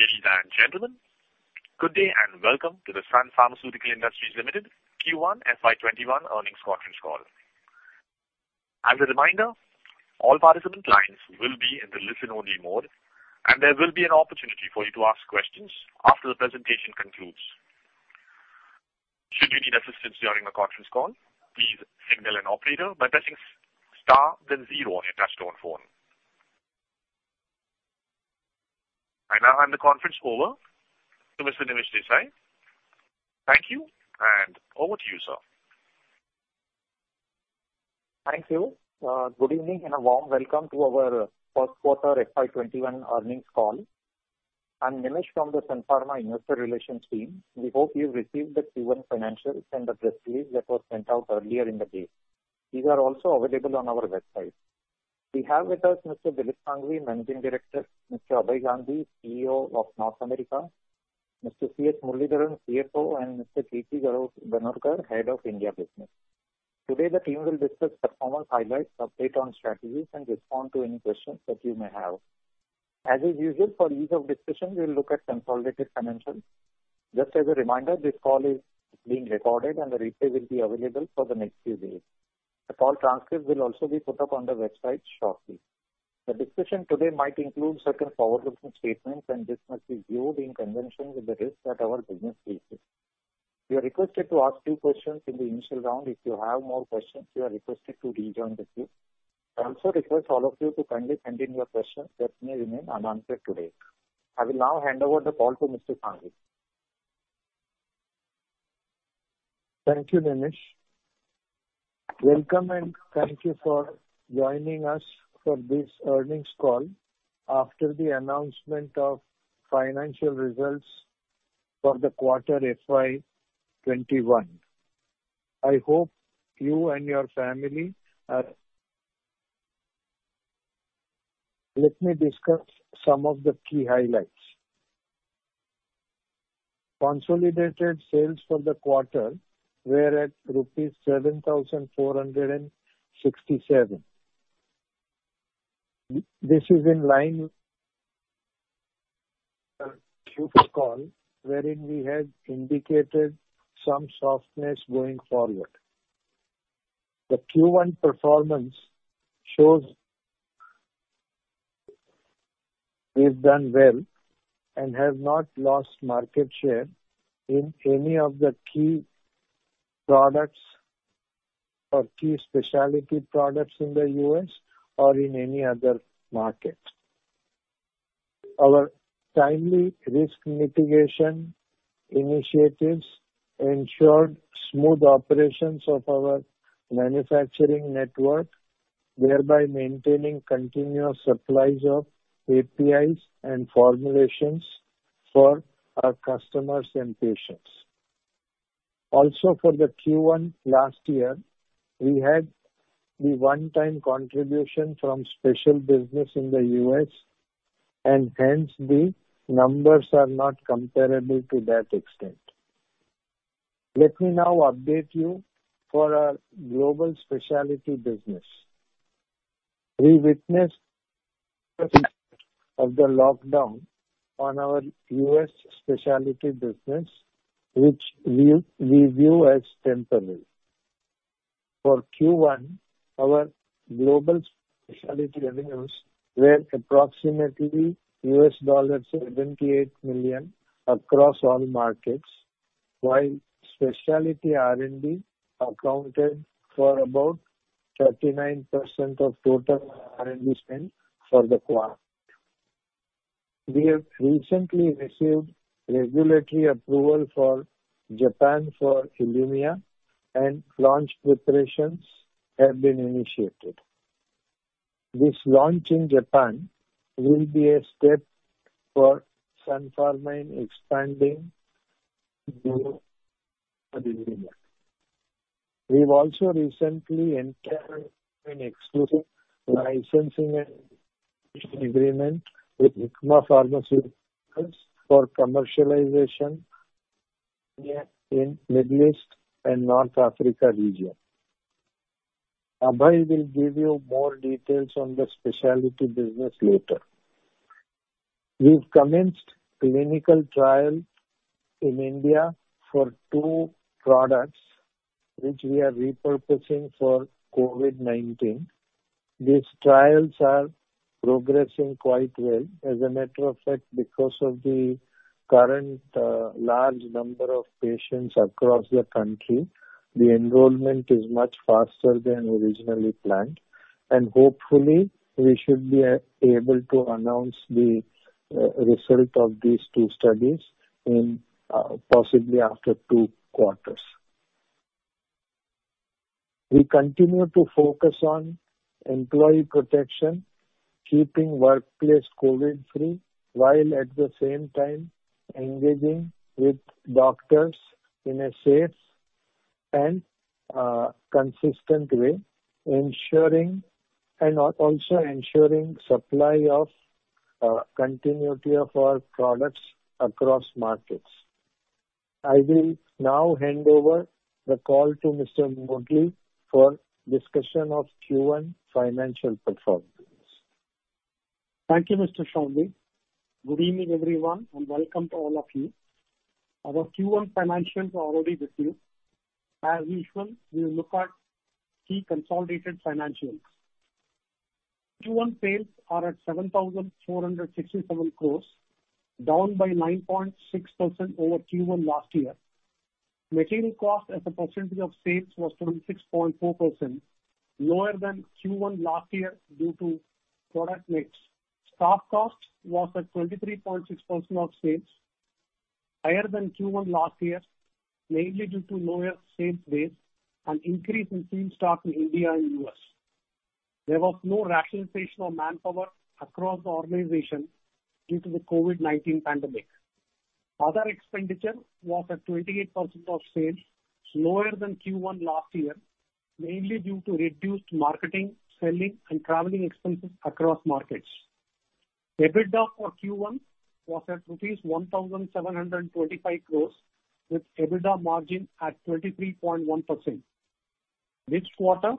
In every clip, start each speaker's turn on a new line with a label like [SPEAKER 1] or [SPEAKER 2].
[SPEAKER 1] Ladies and gentlemen, good day and welcome to the Sun Pharmaceutical Industries Limited Q1 FY 2021 earnings conference call. As a reminder, all participant lines will be in the listen-only mode, and there will be an opportunity for you to ask questions after the presentation concludes. Should you need assistance during the conference call, please signal an operator by pressing star then zero on your touch-tone phone. I now hand the conference over to Mr. Nimish Desai. Thank you, and over to you, sir.
[SPEAKER 2] Thank you. Good evening and a warm welcome to our first quarter FY 2021 earnings call. I'm Nimish from the Sun Pharma Investor Relations team. We hope you received the Q1 financials and the press release that was sent out earlier in the day. These are also available on our website. We have with us Mr. Dilip Shanghvi, Managing Director, Mr. Abhay Gandhi, CEO, North America, Mr. C. S. Muralidharan, CFO, and Mr. Kirti Ganorkar, Head of India Business. Today, the team will discuss performance highlights, update on strategies, and respond to any questions that you may have. As is usual for ease of discussion, we'll look at consolidated financials. Just as a reminder, this call is being recorded and the replay will be available for the next few days. The call transcript will also be put up on the website shortly. The discussion today might include certain forward-looking statements, and this must be viewed in conjunction with the risks that our business faces. You are requested to ask few questions in the initial round. If you have more questions, you are requested to rejoin the queue. I also request all of you to kindly send in your questions that may remain unanswered today. I will now hand over the call to Mr. Shanghvi.
[SPEAKER 3] Thank you, Nimish. Welcome. Thank you for joining us for this earnings call after the announcement of financial results for the quarter FY 2021. I hope you and your family are well. Let me discuss some of the key highlights. Consolidated sales for the quarter were at rupees 7,467 crores. This is in line with our Q4 call, wherein we had indicated some softness going forward. The Q1 performance shows we've done well and have not lost market share in any of the key products or key specialty products in the U.S. or in any other market. Our timely risk mitigation initiatives ensured smooth operations of our manufacturing network, thereby maintaining continuous supplies of APIs and formulations for our customers and patients. For the Q1 last year, we had the one-time contribution from special business in the U.S. Hence, the numbers are not comparable to that extent. Let me now update you for our global specialty business. We witnessed of the lockdown on our U.S. specialty business, which we view as temporary. For Q1, our global specialty revenues were approximately $78 million across all markets, while specialty R&D accounted for about 39% of total R&D spend for the quarter. We have recently received regulatory approval for Japan for ILUMYA and launch preparations have been initiated. This launch in Japan will be a step for Sun Pharma in expanding ILUMYA. We've also recently entered an exclusive licensing and agreement with Hikma Pharmaceuticals for commercialization in Middle East and North Africa region. Abhay will give you more details on the specialty business later. We've commenced clinical trial in India for two products, which we are repurposing for COVID-19. These trials are progressing quite well. As a matter of fact, because of the current large number of patients across the country, the enrollment is much faster than originally planned, and hopefully, we should be able to announce the result of these two studies in possibly after two quarters. We continue to focus on employee protection, keeping workplace COVID-free, while at the same time engaging with doctors in a safe and consistent way, and also ensuring supply of continuity of our products across markets. I will now hand over the call to Mr. Murali for discussion of Q1 financial performance.
[SPEAKER 4] Thank you, Mr. Shanghvi. Good evening, everyone, welcome to all of you. Our Q1 financials are already with you. As usual, we will look at key consolidated financials. Q1 sales are at 7,467 crores, down by 9.6% over Q1 last year. Material cost as a percentage of sales was 26.4%, lower than Q1 last year due to product mix. Staff cost was at 23.6% of sales, higher than Q1 last year, mainly due to lower sales base and increase in field staff in India and U.S. There was no rationalization of manpower across the organization due to the COVID-19 pandemic. Other expenditure was at 28% of sales, lower than Q1 last year, mainly due to reduced marketing, selling, and traveling expenses across markets. EBITDA for Q1 was at rupees 1,725 crores with EBITDA margin at 23.1%. This quarter,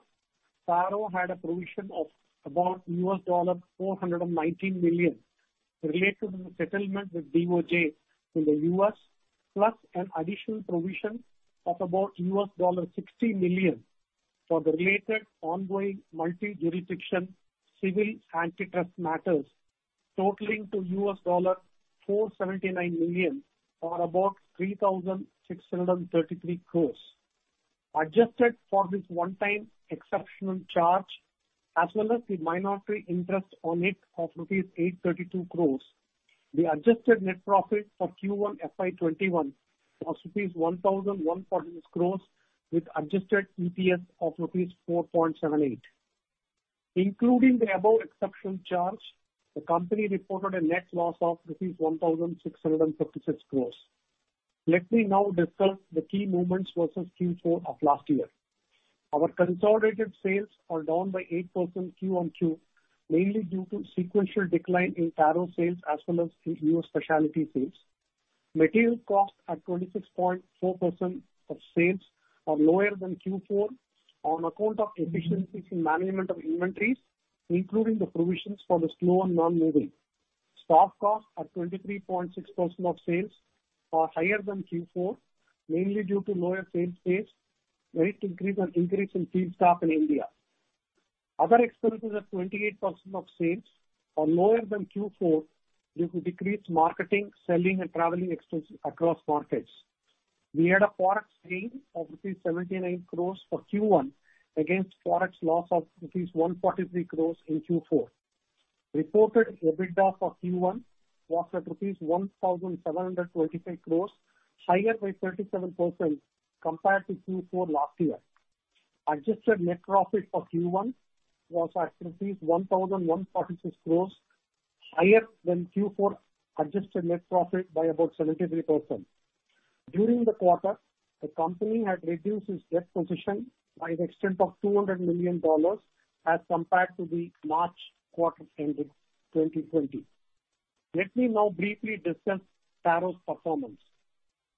[SPEAKER 4] Taro had a provision of about $419 million related to the settlement with DOJ in the U.S., plus an additional provision of about $60 million for the related ongoing multi-jurisdiction civil antitrust matters, totaling to $479 million or about 3,633 crores. Adjusted for this one-time exceptional charge, as well as the minority interest on it of rupees 832 crores, the adjusted net profit for Q1 FY 2021 was rupees 1,146 crores with adjusted EPS of rupees 4.78. Including the above exceptional charge, the company reported a net loss of rupees 1,656 crores. Let me now discuss the key movements versus Q4 of last year. Our consolidated sales are down by 8% QoQ, mainly due to sequential decline in Taro sales as well as the U.S. specialty sales. Material cost at 26.4% of sales are lower than Q4 on account of efficiencies in management of inventories, including the provisions for the slower non-moving. Staff costs at 23.6% of sales are higher than Q4, mainly due to lower sales base and increase in field staff in India. Other expenses at 28% of sales are lower than Q4 due to decreased marketing, selling, and traveling expenses across markets. We had a Forex gain of INR 79 crores for Q1 against Forex loss of INR 143 crores in Q4. Reported EBITDA for Q1 was at INR 1,725 crores, higher by 37% compared to Q4 last year. Adjusted net profit for Q1 was at INR 1,146 crores, higher than Q4 adjusted net profit by about 73%. During the quarter, the company had reduced its debt position by the extent of $200 million as compared to the March quarter ending 2020. Let me now briefly discuss Taro's performance.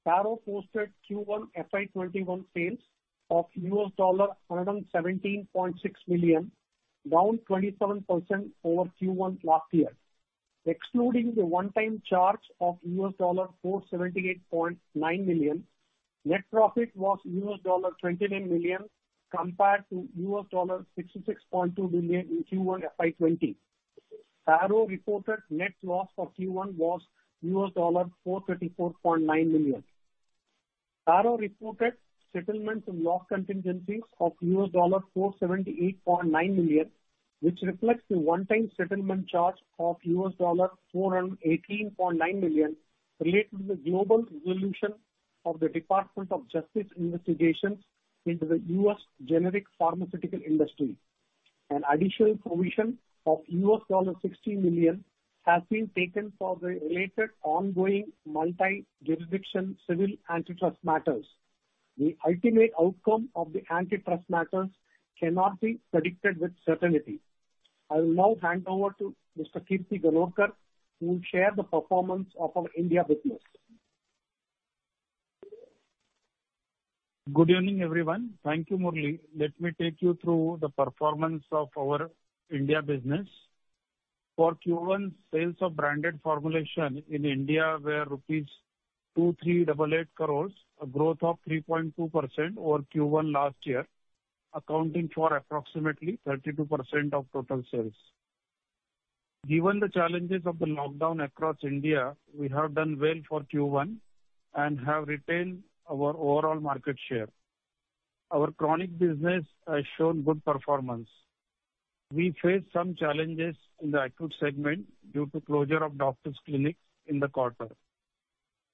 [SPEAKER 4] Taro posted Q1 FY 2021 sales of $117.6 million, down 27% over Q1 last year. Excluding the one-time charge of $478.9 million, net profit was $29 million compared to $66.2 million in Q1 FY 2020. Taro reported net loss for Q1 was $434.9 million. Taro reported settlements and loss contingencies of $478.9 million, which reflects the one-time settlement charge of $418.9 million related to the global resolution of the Department of Justice investigations into the U.S. generic pharmaceutical industry. An additional provision of $60 million has been taken for the related ongoing multi-jurisdiction civil antitrust matters. The ultimate outcome of the antitrust matters cannot be predicted with certainty. I will now hand over to Mr. Kirti Ganorkar, who will share the performance of our India business.
[SPEAKER 5] Good evening, everyone. Thank you, Murali. Let me take you through the performance of our India business. For Q1, sales of branded formulation in India were rupees 2,388 crore, a growth of 3.2% over Q1 last year, accounting for approximately 32% of total sales. Given the challenges of the lockdown across India, we have done well for Q1 and have retained our overall market share. Our chronic business has shown good performance. We faced some challenges in the acute segment due to closure of doctor's clinics in the quarter.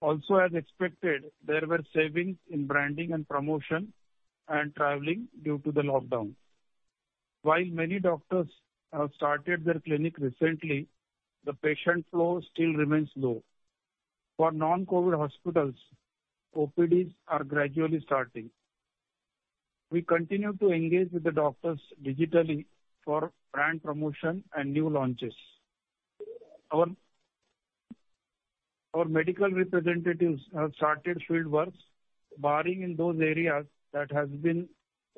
[SPEAKER 5] As expected, there were savings in branding and promotion and traveling due to the lockdown. While many doctors have started their clinic recently, the patient flow still remains low. For non-COVID-19 hospitals, OPDs are gradually starting. We continue to engage with the doctors digitally for brand promotion and new launches. Our medical representatives have started field works, barring in those areas that have been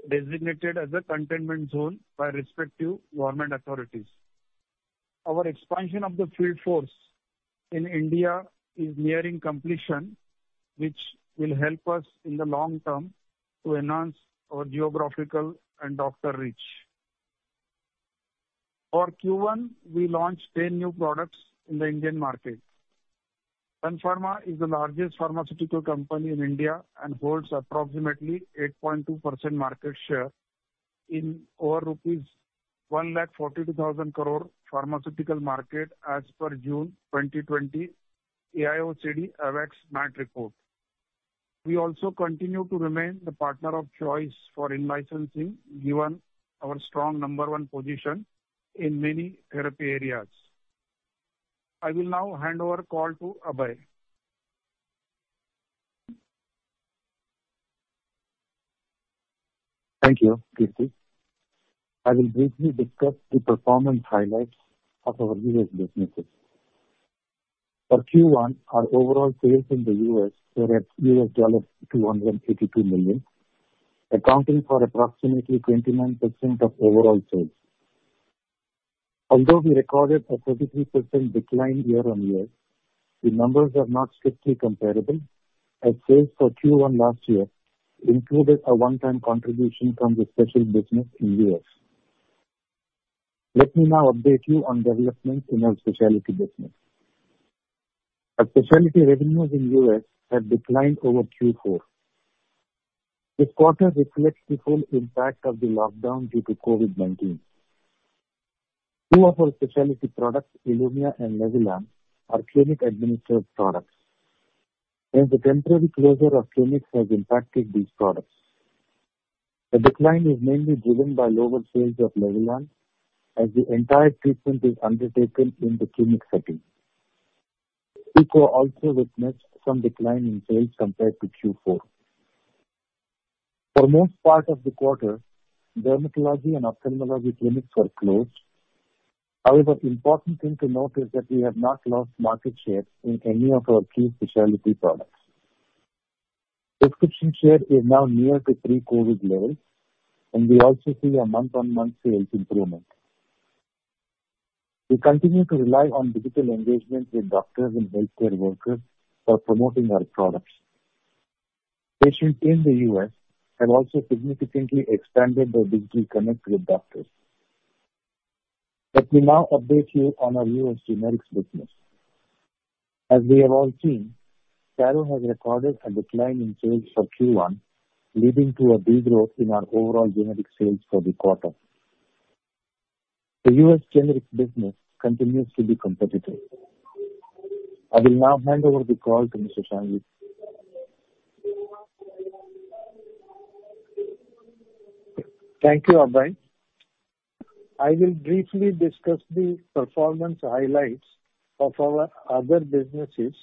[SPEAKER 5] designated as a containment zone by respective government authorities. Our expansion of the field force in India is nearing completion, which will help us in the long term to enhance our geographical and doctor reach. For Q1, we launched 10 new products in the Indian market. Sun Pharma is the largest pharmaceutical company in India and holds approximately 8.2% market share in over rupees 142,000 crore pharmaceutical market as per June 2020 AIOCD-AWACS MAT report. We also continue to remain the partner of choice for in-licensing given our strong number one position in many therapy areas. I will now hand over call to Abhay.
[SPEAKER 6] Thank you, Kirti. I will briefly discuss the performance highlights of our U.S. businesses. For Q1, our overall sales in the U.S. were at $282 million, accounting for approximately 29% of overall sales. Although we recorded a 33% decline year-on-year, the numbers are not strictly comparable, as sales for Q1 last year included a one-time contribution from the specialty business in U.S. Let me now update you on developments in our specialty business. Our specialty revenues in U.S. have declined over Q4. This quarter reflects the full impact of the lockdown due to COVID-19. Two of our specialty products, ILUMYA and LEVULAN, are clinic-administered products, and the temporary closure of clinics has impacted these products. The decline is mainly driven by lower sales of LEVULAN, as the entire treatment is undertaken in the clinic setting. CEQUA also witnessed some decline in sales compared to Q4. For most part of the quarter, dermatology and ophthalmology clinics were closed. However, important thing to note is that we have not lost market share in any of our key specialty products. Prescription share is now near to pre-COVID levels, and we also see a month-on-month sales improvement. We continue to rely on digital engagement with doctors and healthcare workers for promoting our products. Patients in the U.S. have also significantly expanded their digital connect with doctors. Let me now update you on our U.S. generics business. As we have all seen, Taro has recorded a decline in sales for Q1, leading to a de-growth in our overall generic sales for the quarter. The U.S. generics business continues to be competitive. I will now hand over the call to Mr. Shanghvi.
[SPEAKER 3] Thank you, Abhay. I will briefly discuss the performance highlights of our other businesses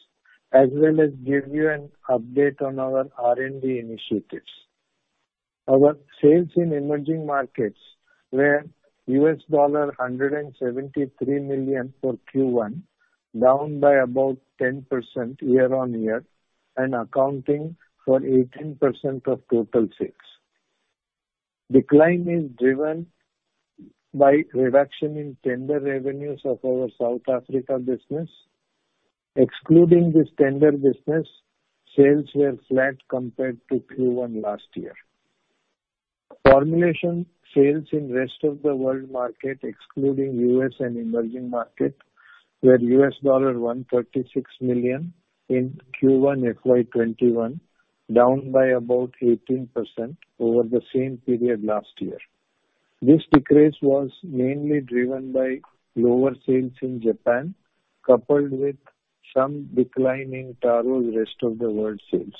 [SPEAKER 3] as well as give you an update on our R&D initiatives. Our sales in emerging markets were $173 million for Q1, down by about 10% year-on-year and accounting for 18% of total sales. Decline is driven by reduction in tender revenues of our South Africa business. Excluding this tender business, sales were flat compared to Q1 last year. Formulation sales in rest of the world market, excluding U.S. and emerging market, were $136 million in Q1 FY21, down by about 18% over the same period last year. This decrease was mainly driven by lower sales in Japan, coupled with some decline in Taro's rest of the world sales.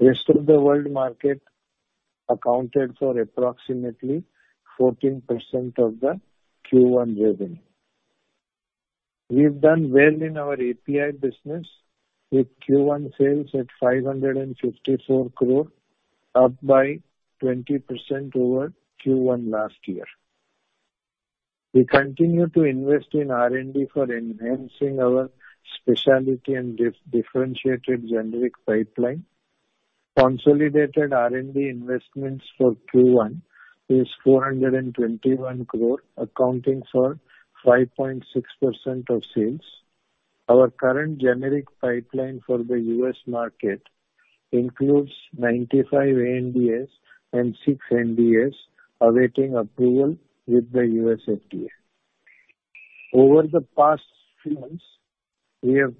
[SPEAKER 3] Rest of the world market accounted for approximately 14% of the Q1 revenue. We've done well in our API business with Q1 sales at 554 crore, up by 20% over Q1 last year. We continue to invest in R&D for enhancing our specialty and differentiated generic pipeline. Consolidated R&D investments for Q1 is 421 crore, accounting for 5.6% of sales. Our current generic pipeline for the U.S. market includes 95 ANDAs and six NDAs awaiting approval with the U.S. FDA. Over the past few months, we have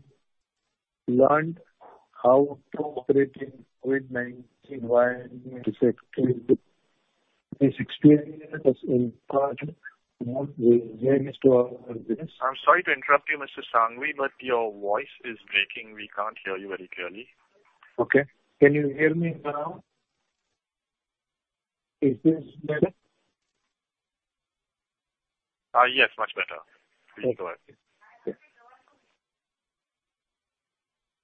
[SPEAKER 3] learned how to operate in COVID-19 environment. This experience has imparted.
[SPEAKER 1] I'm sorry to interrupt you, Mr. Shanghvi, but your voice is breaking. We can't hear you very clearly.
[SPEAKER 3] Okay. Can you hear me now? Is this better?
[SPEAKER 1] Yes, much better.
[SPEAKER 3] Okay.
[SPEAKER 1] Please go ahead.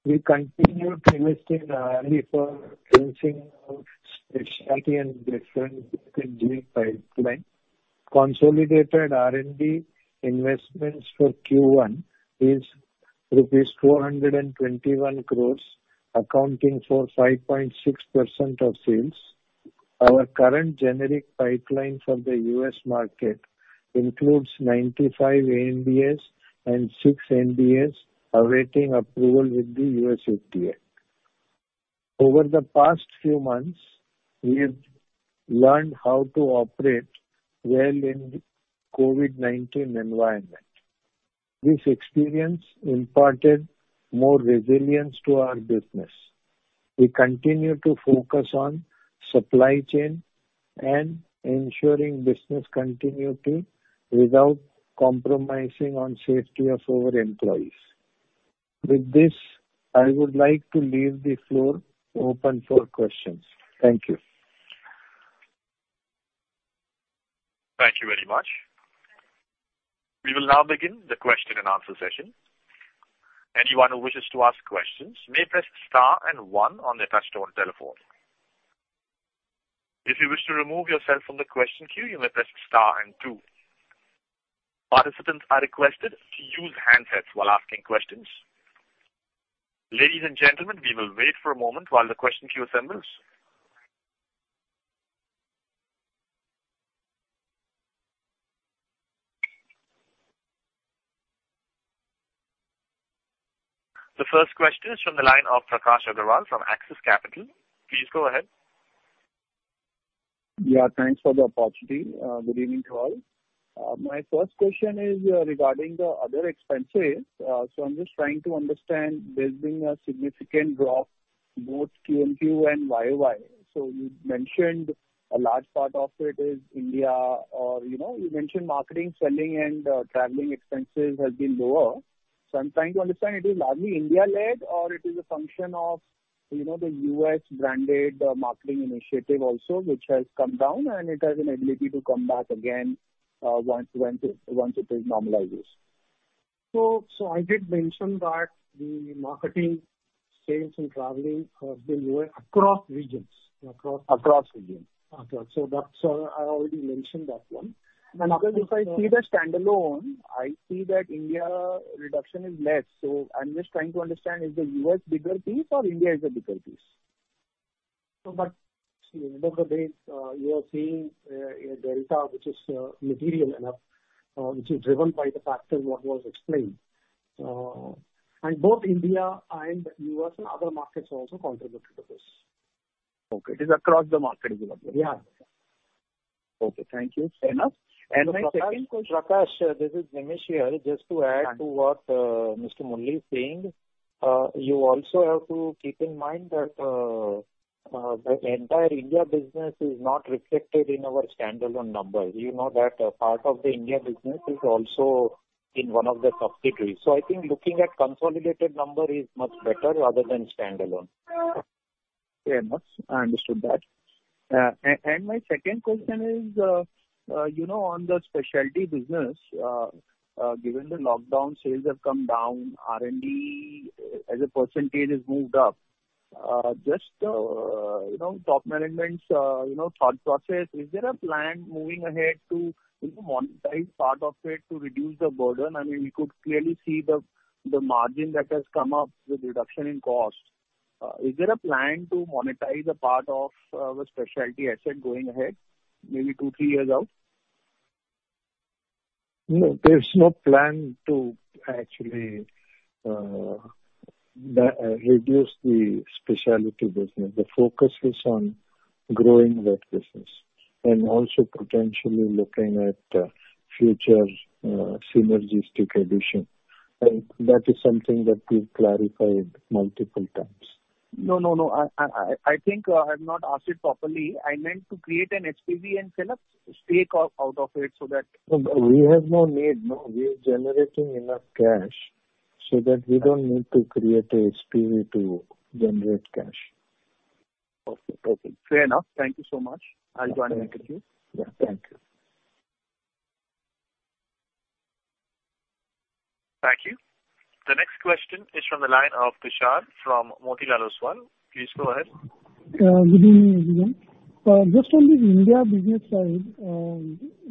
[SPEAKER 3] We continued to invest in R&D for launching our specialty and different generic pipeline. Consolidated R&D investments for Q1 is rupees 421 crores, accounting for 5.6% of sales. Our current generic pipeline for the U.S. market includes 95 ANDAs and six NDAs awaiting approval with the U.S. FDA. Over the past few months, we've learned how to operate well in the COVID-19 environment. This experience imparted more resilience to our business. We continue to focus on supply chain and ensuring business continuity without compromising on safety of our employees. With this, I would like to leave the floor open for questions. Thank you.
[SPEAKER 1] Thank you very much. We will now begin the question and answer session. Anyone who wishes to ask questions may press star and one on their touch-tone telephone. If you wish to remove yourself from the question queue, you may press star and two. Participants are requested to use handsets while asking questions. Ladies and gentlemen, we will wait for a moment while the question queue assembles. The first question is from the line of Prakash Agarwal from Axis Capital. Please go ahead.
[SPEAKER 7] Yeah, thanks for the opportunity. Good evening to all. My first question is regarding the other expenses. I'm just trying to understand there's been a significant drop, both QoQ and YoY. You mentioned a large part of it is India or you mentioned marketing, selling, and traveling expenses has been lower. I'm trying to understand, it is largely India-led or it is a function of the U.S.-branded marketing initiative also, which has come down, and it has an ability to come back again once it is normalizes?
[SPEAKER 4] I did mention that the marketing, sales, and traveling has been lower across regions.
[SPEAKER 7] Across regions.
[SPEAKER 4] Okay. I already mentioned that one.
[SPEAKER 7] If I see the standalone, I see that India reduction is less. I'm just trying to understand, is the U.S. bigger piece or India is the bigger piece?
[SPEAKER 4] End of the day, you are seeing a delta which is material enough, which is driven by the factors what was explained. Both India and U.S. and other markets also contributed to this.
[SPEAKER 7] Okay. It is across the market development.
[SPEAKER 4] Yeah.
[SPEAKER 7] Okay. Thank you. Fair enough. My second question.
[SPEAKER 2] Prakash, this is Nimish here. Just to add to what Mr. Murali is saying. You also have to keep in mind that the entire India business is not reflected in our standalone numbers. You know that a part of the India business is also in one of the subsidiaries. I think looking at consolidated number is much better other than standalone.
[SPEAKER 7] Fair enough. I understood that. My second question is on the specialty business, given the lockdown, sales have come down, R&D as a percentage has moved up. Just top management thought process, is there a plan moving ahead to monetize part of it to reduce the burden? We could clearly see the margin that has come up with reduction in cost. Is there a plan to monetize a part of our specialty asset going ahead, maybe two, three years out?
[SPEAKER 3] No, there's no plan to actually reduce the specialty business. The focus is on growing that business and also potentially looking at future synergistic addition. That is something that we've clarified multiple times.
[SPEAKER 7] No, I think I've not asked it properly. I meant to create an SPV and sell up stake out of it so that.
[SPEAKER 3] No, we have no need. No, we are generating enough cash so that we don't need to create a SPV to generate cash.
[SPEAKER 7] Okay. Fair enough. Thank you so much. I'll join the queue.
[SPEAKER 3] Yeah, thank you.
[SPEAKER 1] Thank you. The next question is from the line of Tushar from Motilal Oswal. Please go ahead.
[SPEAKER 8] Good evening, everyone. Just on the India business side,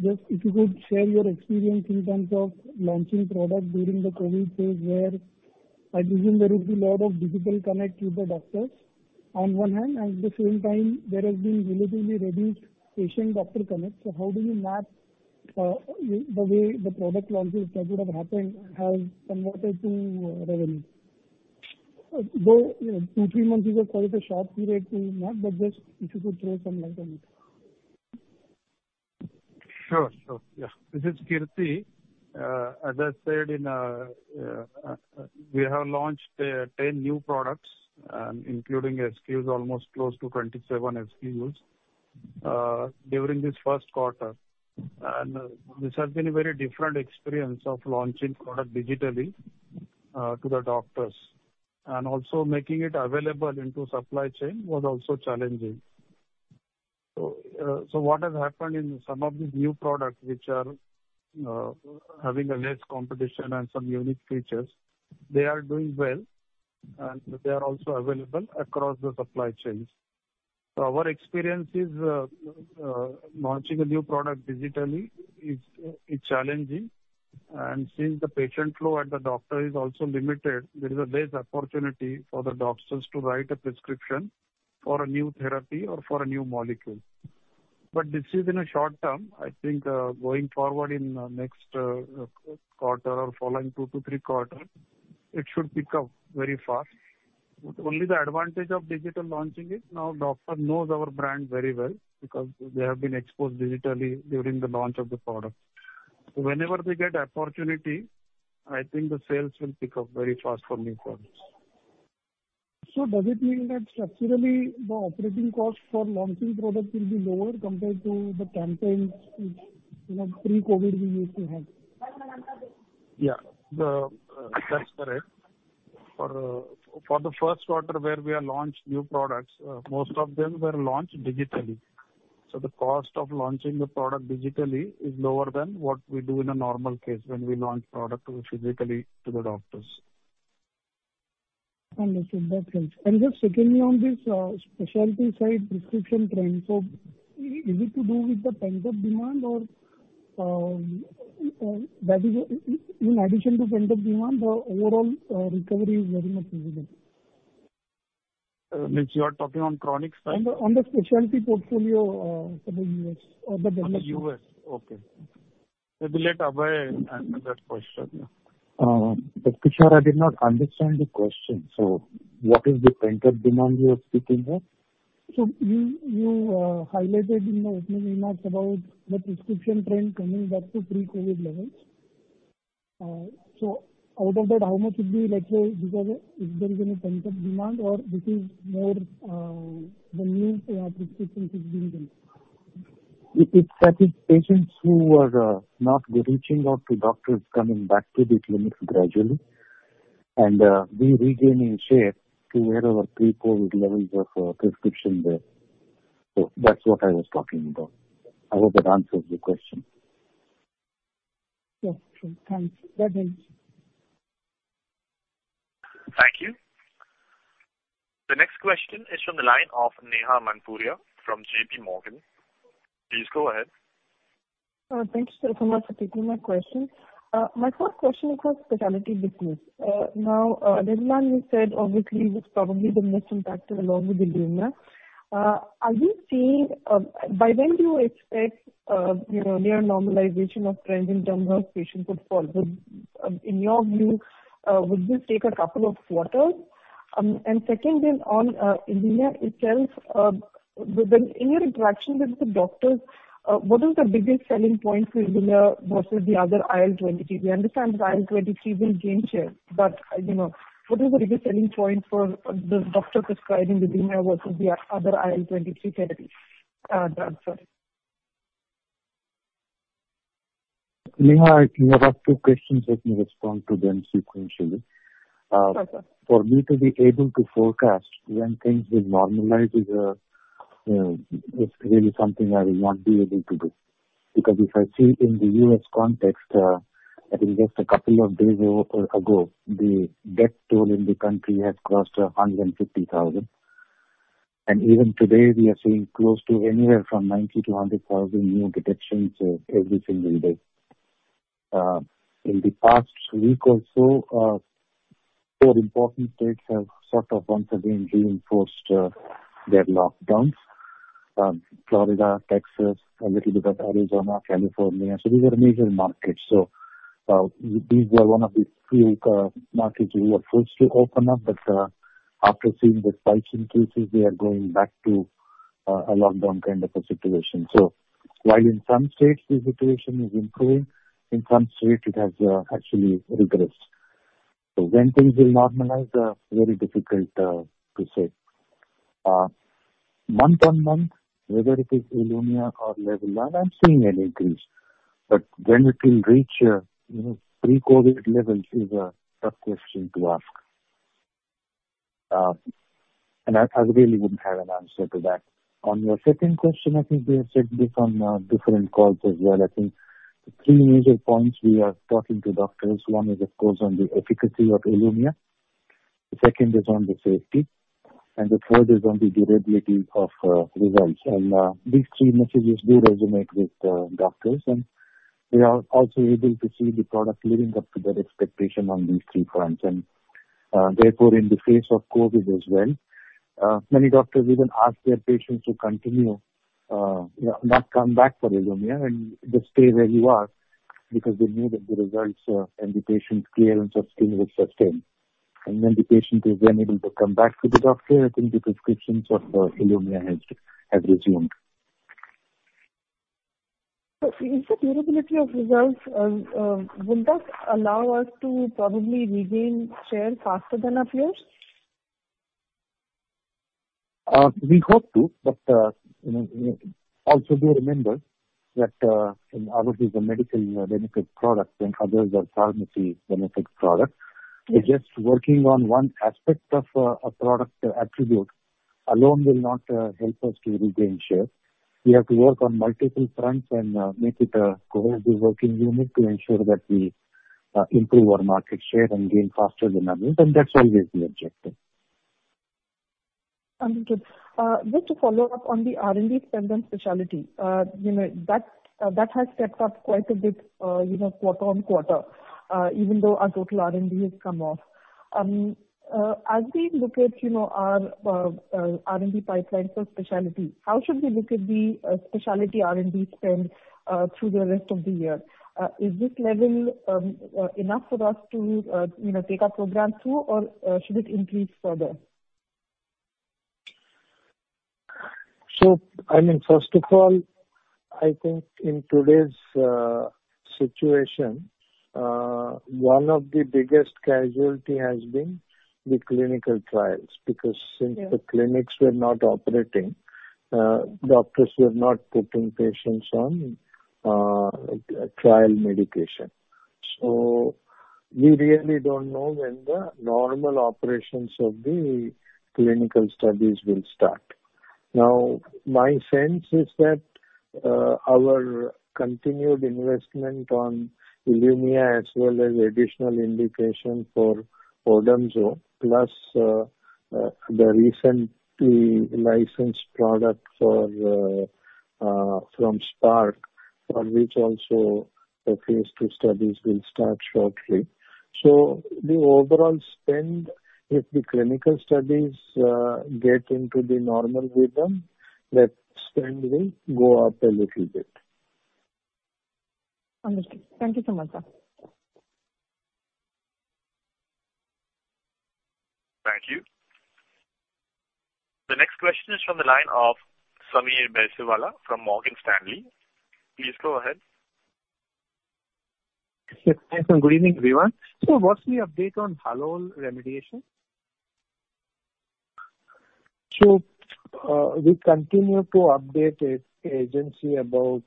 [SPEAKER 8] just if you could share your experience in terms of launching products during the COVID phase where I presume there is a lot of digital connect with the doctors on one hand, and at the same time, there has been relatively reduced patient-doctor connect. How do you map the way the product launches that would have happened and have converted to revenue? Though two, three months is a quite a short period to map, just if you could throw some light on it.
[SPEAKER 5] Sure. Yeah. This is Kirti. As I said, we have launched 10 new products, including SKUs almost close to 27 SKUs, during this first quarter. This has been a very different experience of launching product digitally to the doctors. Also making it available into supply chain was also challenging. What has happened in some of these new products, which are having a less competition and some unique features, they are doing well, and they are also available across the supply chains. Our experience is launching a new product digitally is challenging. Since the patient flow at the doctor is also limited, there is a less opportunity for the doctors to write a prescription for a new therapy or for a new molecule. This is in the short term. I think going forward in the next quarter or following two to three quarters, it should pick up very fast. Only the advantage of digital launching is now doctor knows our brand very well because they have been exposed digitally during the launch of the product. Whenever they get opportunity, I think the sales will pick up very fast for new products.
[SPEAKER 8] Does it mean that structurally the operating cost for launching product will be lower compared to the campaigns which pre-COVID we used to have?
[SPEAKER 5] Yeah. That's correct. For the first quarter where we have launched new products, most of them were launched digitally. The cost of launching the product digitally is lower than what we do in a normal case when we launch product physically to the doctors.
[SPEAKER 8] Understood. That helps. Just secondly, on this specialty side prescription trend, is it to do with the pent-up demand or that is in addition to pent-up demand, the overall recovery is very much visible?
[SPEAKER 5] Which you are talking on chronic side?
[SPEAKER 8] On the specialty portfolio for the U.S. or the developed-
[SPEAKER 5] On the U.S., okay. Maybe let Abhay answer that question.
[SPEAKER 6] Tushar, I did not understand the question. What is the pent-up demand you are speaking of?
[SPEAKER 8] You highlighted in the opening remarks about the prescription trend coming back to pre-COVID levels. Out of that, how much would be likely because if there is any pent-up demand or this is more the new prescription is being done?
[SPEAKER 6] It's patients who were not reaching out to doctors coming back to these clinics gradually and we're regaining share to where our pre-COVID levels of prescription there. That's what I was talking about. I hope that answers your question.
[SPEAKER 8] Yes. Sure. Thanks. That helps.
[SPEAKER 1] Thank you. The next question is from the line of Neha Manpuria from JPMorgan. Please go ahead.
[SPEAKER 9] Thanks so much for taking my question. My first question is on specialty business. LEVULAN you said obviously was probably the most impacted along with ILUMYA. By when do you expect near normalization of trends in terms of patient portfolio? In your view, would this take a couple of quarters? Second is on ILUMYA itself. Within your interaction with the doctors, what is the biggest selling point for ILUMYA versus the other IL-23? We understand the IL-23 will gain share, what is the biggest selling point for the doctor prescribing the ILUMYA versus the other IL-23 drugs?
[SPEAKER 6] Neha, you have asked two questions. Let me respond to them sequentially.
[SPEAKER 9] Okay.
[SPEAKER 6] For me to be able to forecast when things will normalize is really something I will not be able to do. If I see in the U.S. context, I think just a couple of days ago, the death toll in the country has crossed 150,000. Even today we are seeing close to anywhere from 90,000 to 100,000 new detections every single day. In the past week or so, four important states have sort of once again reinforced their lockdowns. Florida, Texas, a little bit of Arizona, California. These are major markets. These were one of the few markets we were supposed to open up, but after seeing the spike in cases, they are going back to a lockdown kind of a situation. While in some states the situation is improving, in some states it has actually regressed. When things will normalize, very difficult to say. Month-on-month, whether it is ILUMYA or LEVULAN, I'm seeing an increase. When it will reach pre-COVID-19 levels is a tough question to ask. I really wouldn't have an answer to that. On your second question, I think we have said this on different calls as well. I think the three major points we are talking to doctors. One is of course, on the efficacy of ILUMYA. The second is on the safety and the third is on the durability of results. These three messages do resonate with doctors and they are also able to see the product living up to their expectation on these three fronts and therefore in the face of COVID-19 as well. Many doctors even ask their patients to continue, not come back for ILUMYA and just stay where you are because they know that the results and the patient clearance of skin will sustain. When the patient is then able to come back to the doctor, I think the prescriptions of ILUMYA has resumed.
[SPEAKER 9] In the durability of results, would that allow us to probably regain share faster than our peers?
[SPEAKER 6] We hope to, but also do remember that all of these are medical benefit products and others are pharmacy benefit products. Just working on one aspect of a product attribute alone will not help us to regain share. We have to work on multiple fronts and make it a cohesive working unit to ensure that we improve our market share and gain faster than others. That's always the objective.
[SPEAKER 9] Understood. Just to follow up on the R&D spend on specialty. That has stepped up quite a bit quarter-on-quarter, even though our total R&D has come off. As we look at our R&D pipeline for specialty, how should we look at the specialty R&D spend through the rest of the year? Is this level enough for us to take our program through, or should it increase further?
[SPEAKER 3] First of all, I think in today's situation, one of the biggest casualty has been the clinical trials. Since the clinics were not operating, doctors were not putting patients on trial medication. We really don't know when the normal operations of the clinical studies will start. My sense is that our continued investment on ILUMYA as well as additional indication for ODOMZO, plus the recently licensed product from SPARC, for which also a phase II studies will start shortly. The overall spend, if the clinical studies get into the normal rhythm, that spend will go up a little bit.
[SPEAKER 9] Understood. Thank you so much, sir.
[SPEAKER 1] Thank you. The next question is from the line of Sameer Baisiwala from Morgan Stanley. Please go ahead.
[SPEAKER 10] Yes. Thanks, good evening, everyone. What's the update on Halol remediation?
[SPEAKER 3] We continue to update the agency about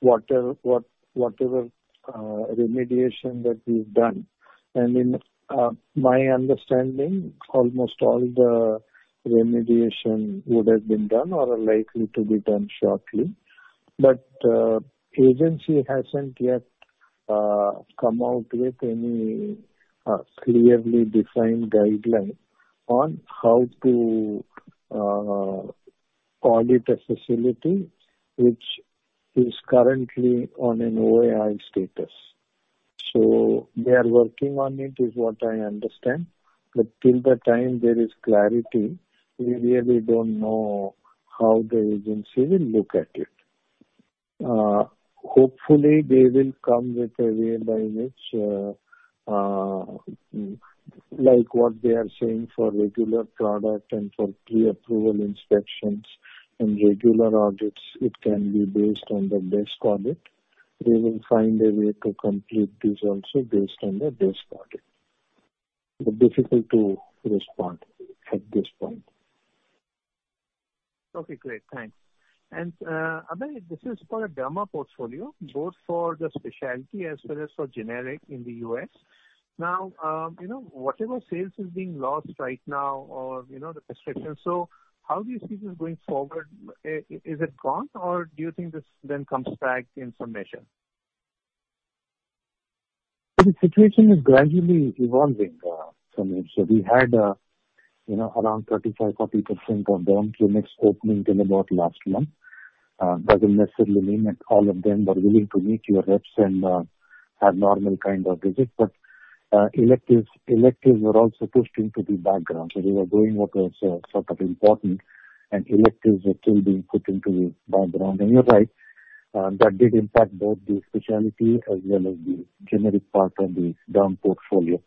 [SPEAKER 3] whatever remediation that we've done. In my understanding, almost all the remediation would have been done or are likely to be done shortly. Agency hasn't yet come out with any clearly defined guideline on how to audit a facility which is currently on an OAI status. They are working on it, is what I understand, but till the time there is clarity, we really don't know how the agency will look at it. Hopefully, they will come with a way by which, like what they are saying for regular product and for pre-approval inspections and regular audits, it can be based on the desk audit. We will find a way to complete this also based on the desk audit. Difficult to respond at this point.
[SPEAKER 10] Okay, great. Thanks. Abhay, this is for the derma portfolio, both for the specialty as well as for generic in the U.S. Whatever sales is being lost right now or the prescription, so how do you see this going forward? Is it gone, or do you think this then comes back in some measure?
[SPEAKER 6] The situation is gradually evolving, Sameer. We had around 35%-40% of the clinics opening in about last month. Doesn't necessarily mean that all of them were willing to meet your reps and have normal kind of visits. Electives were also pushed into the background. They were doing what was sort of important, and electives were still being put into the background. You're right, that did impact both the specialty as well as the generic part on the derma portfolio.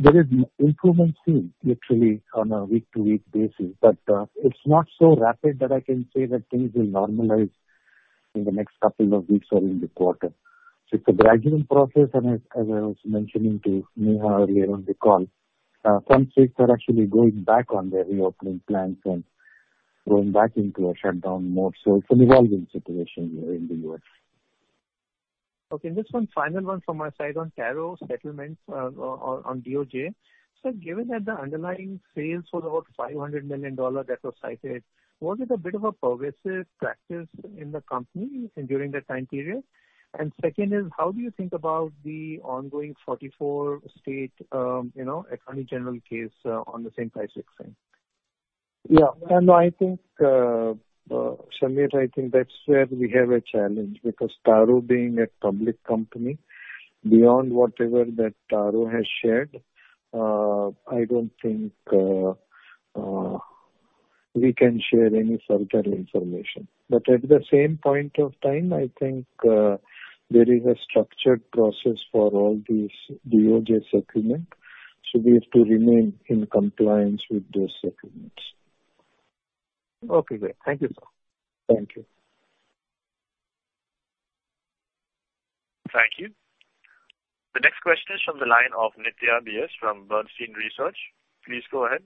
[SPEAKER 6] There is improvement seen literally on a week-to-week basis, but it's not so rapid that I can say that things will normalize in the next couple of weeks or in the quarter. It's a gradual process, and as I was mentioning to Neha earlier on the call, some states are actually going back on their reopening plans and going back into a shutdown mode. It's an evolving situation in the U.S.
[SPEAKER 10] Okay. Just one final one from my side on Taro settlements on DOJ. Sir, given that the underlying sales was about $500 million that was cited, was it a bit of a pervasive practice in the company during that time period? Second is, how do you think about the ongoing 44 state attorney general case on the same price fixing?
[SPEAKER 3] Yeah. Sameer, I think that's where we have a challenge, because Taro being a public company, beyond whatever that Taro has shared, I don't think we can share any further information. At the same point of time, I think there is a structured process for all these DOJ settlement. We have to remain in compliance with those settlements.
[SPEAKER 10] Okay, great. Thank you, sir.
[SPEAKER 3] Thank you.
[SPEAKER 1] Thank you. The next question is from the line of Nithya B.S. from Bernstein Research. Please go ahead.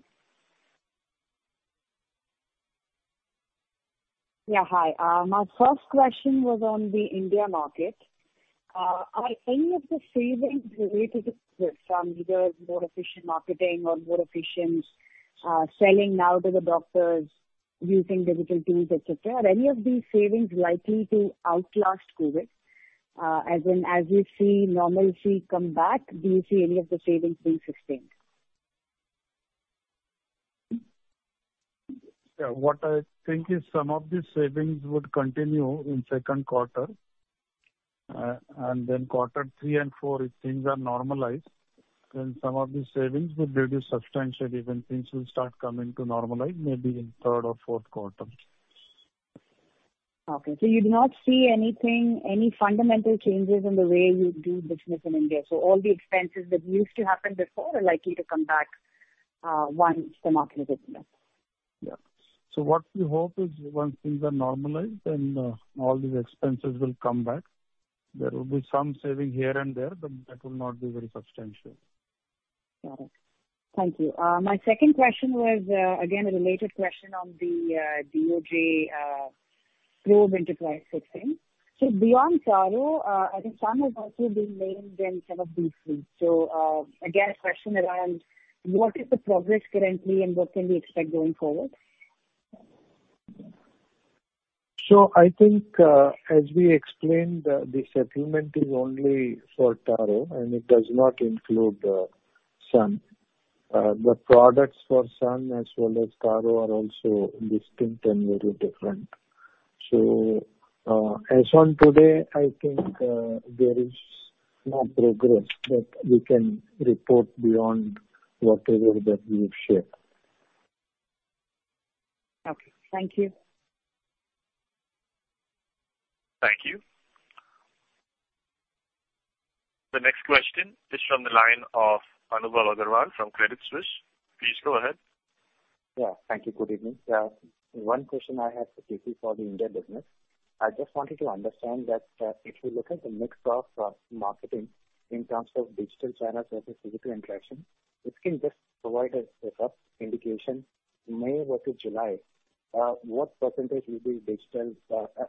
[SPEAKER 11] Yeah, hi. My first question was on the India market. Are any of the savings related to this, from either more efficient marketing or more efficient selling now to the doctors using digital tools, et cetera? Are any of these savings likely to outlast COVID? As in, as you see normalcy come back, do you see any of the savings being sustained?
[SPEAKER 5] Yeah. What I think is some of these savings would continue in second quarter, and then quarter three and four, if things are normalized, then some of these savings would be substantial if things will start coming to normalize, maybe in third or fourth quarter.
[SPEAKER 11] Okay. You do not see any fundamental changes in the way you do business in India. All the expenses that used to happen before are likely to come back once the market opens up.
[SPEAKER 5] What we hope is, once things are normalized, then all these expenses will come back. There will be some saving here and there, but that will not be very substantial.
[SPEAKER 11] Got it. Thank you. My second question was, again, a related question on the DOJ probe into price fixing. Beyond Taro, I think Sun has also been named in kind of briefly. Again, a question around what is the progress currently and what can we expect going forward?
[SPEAKER 3] I think, as we explained, the settlement is only for Taro, and it does not include Sun. The products for Sun as well as Taro are also distinct and very different. As on today, I think there is no progress that we can report beyond whatever that we have shared.
[SPEAKER 11] Okay. Thank you.
[SPEAKER 1] Thank you. The next question is from the line of Anubhav Aggarwal from Credit Suisse. Please go ahead.
[SPEAKER 12] Yeah. Thank you. Good evening. One question I have specifically for the India business. I just wanted to understand that if you look at the mix of marketing in terms of digital channels versus physical interaction, if you can just provide a rough indication, May versus July, what percentage will be digital?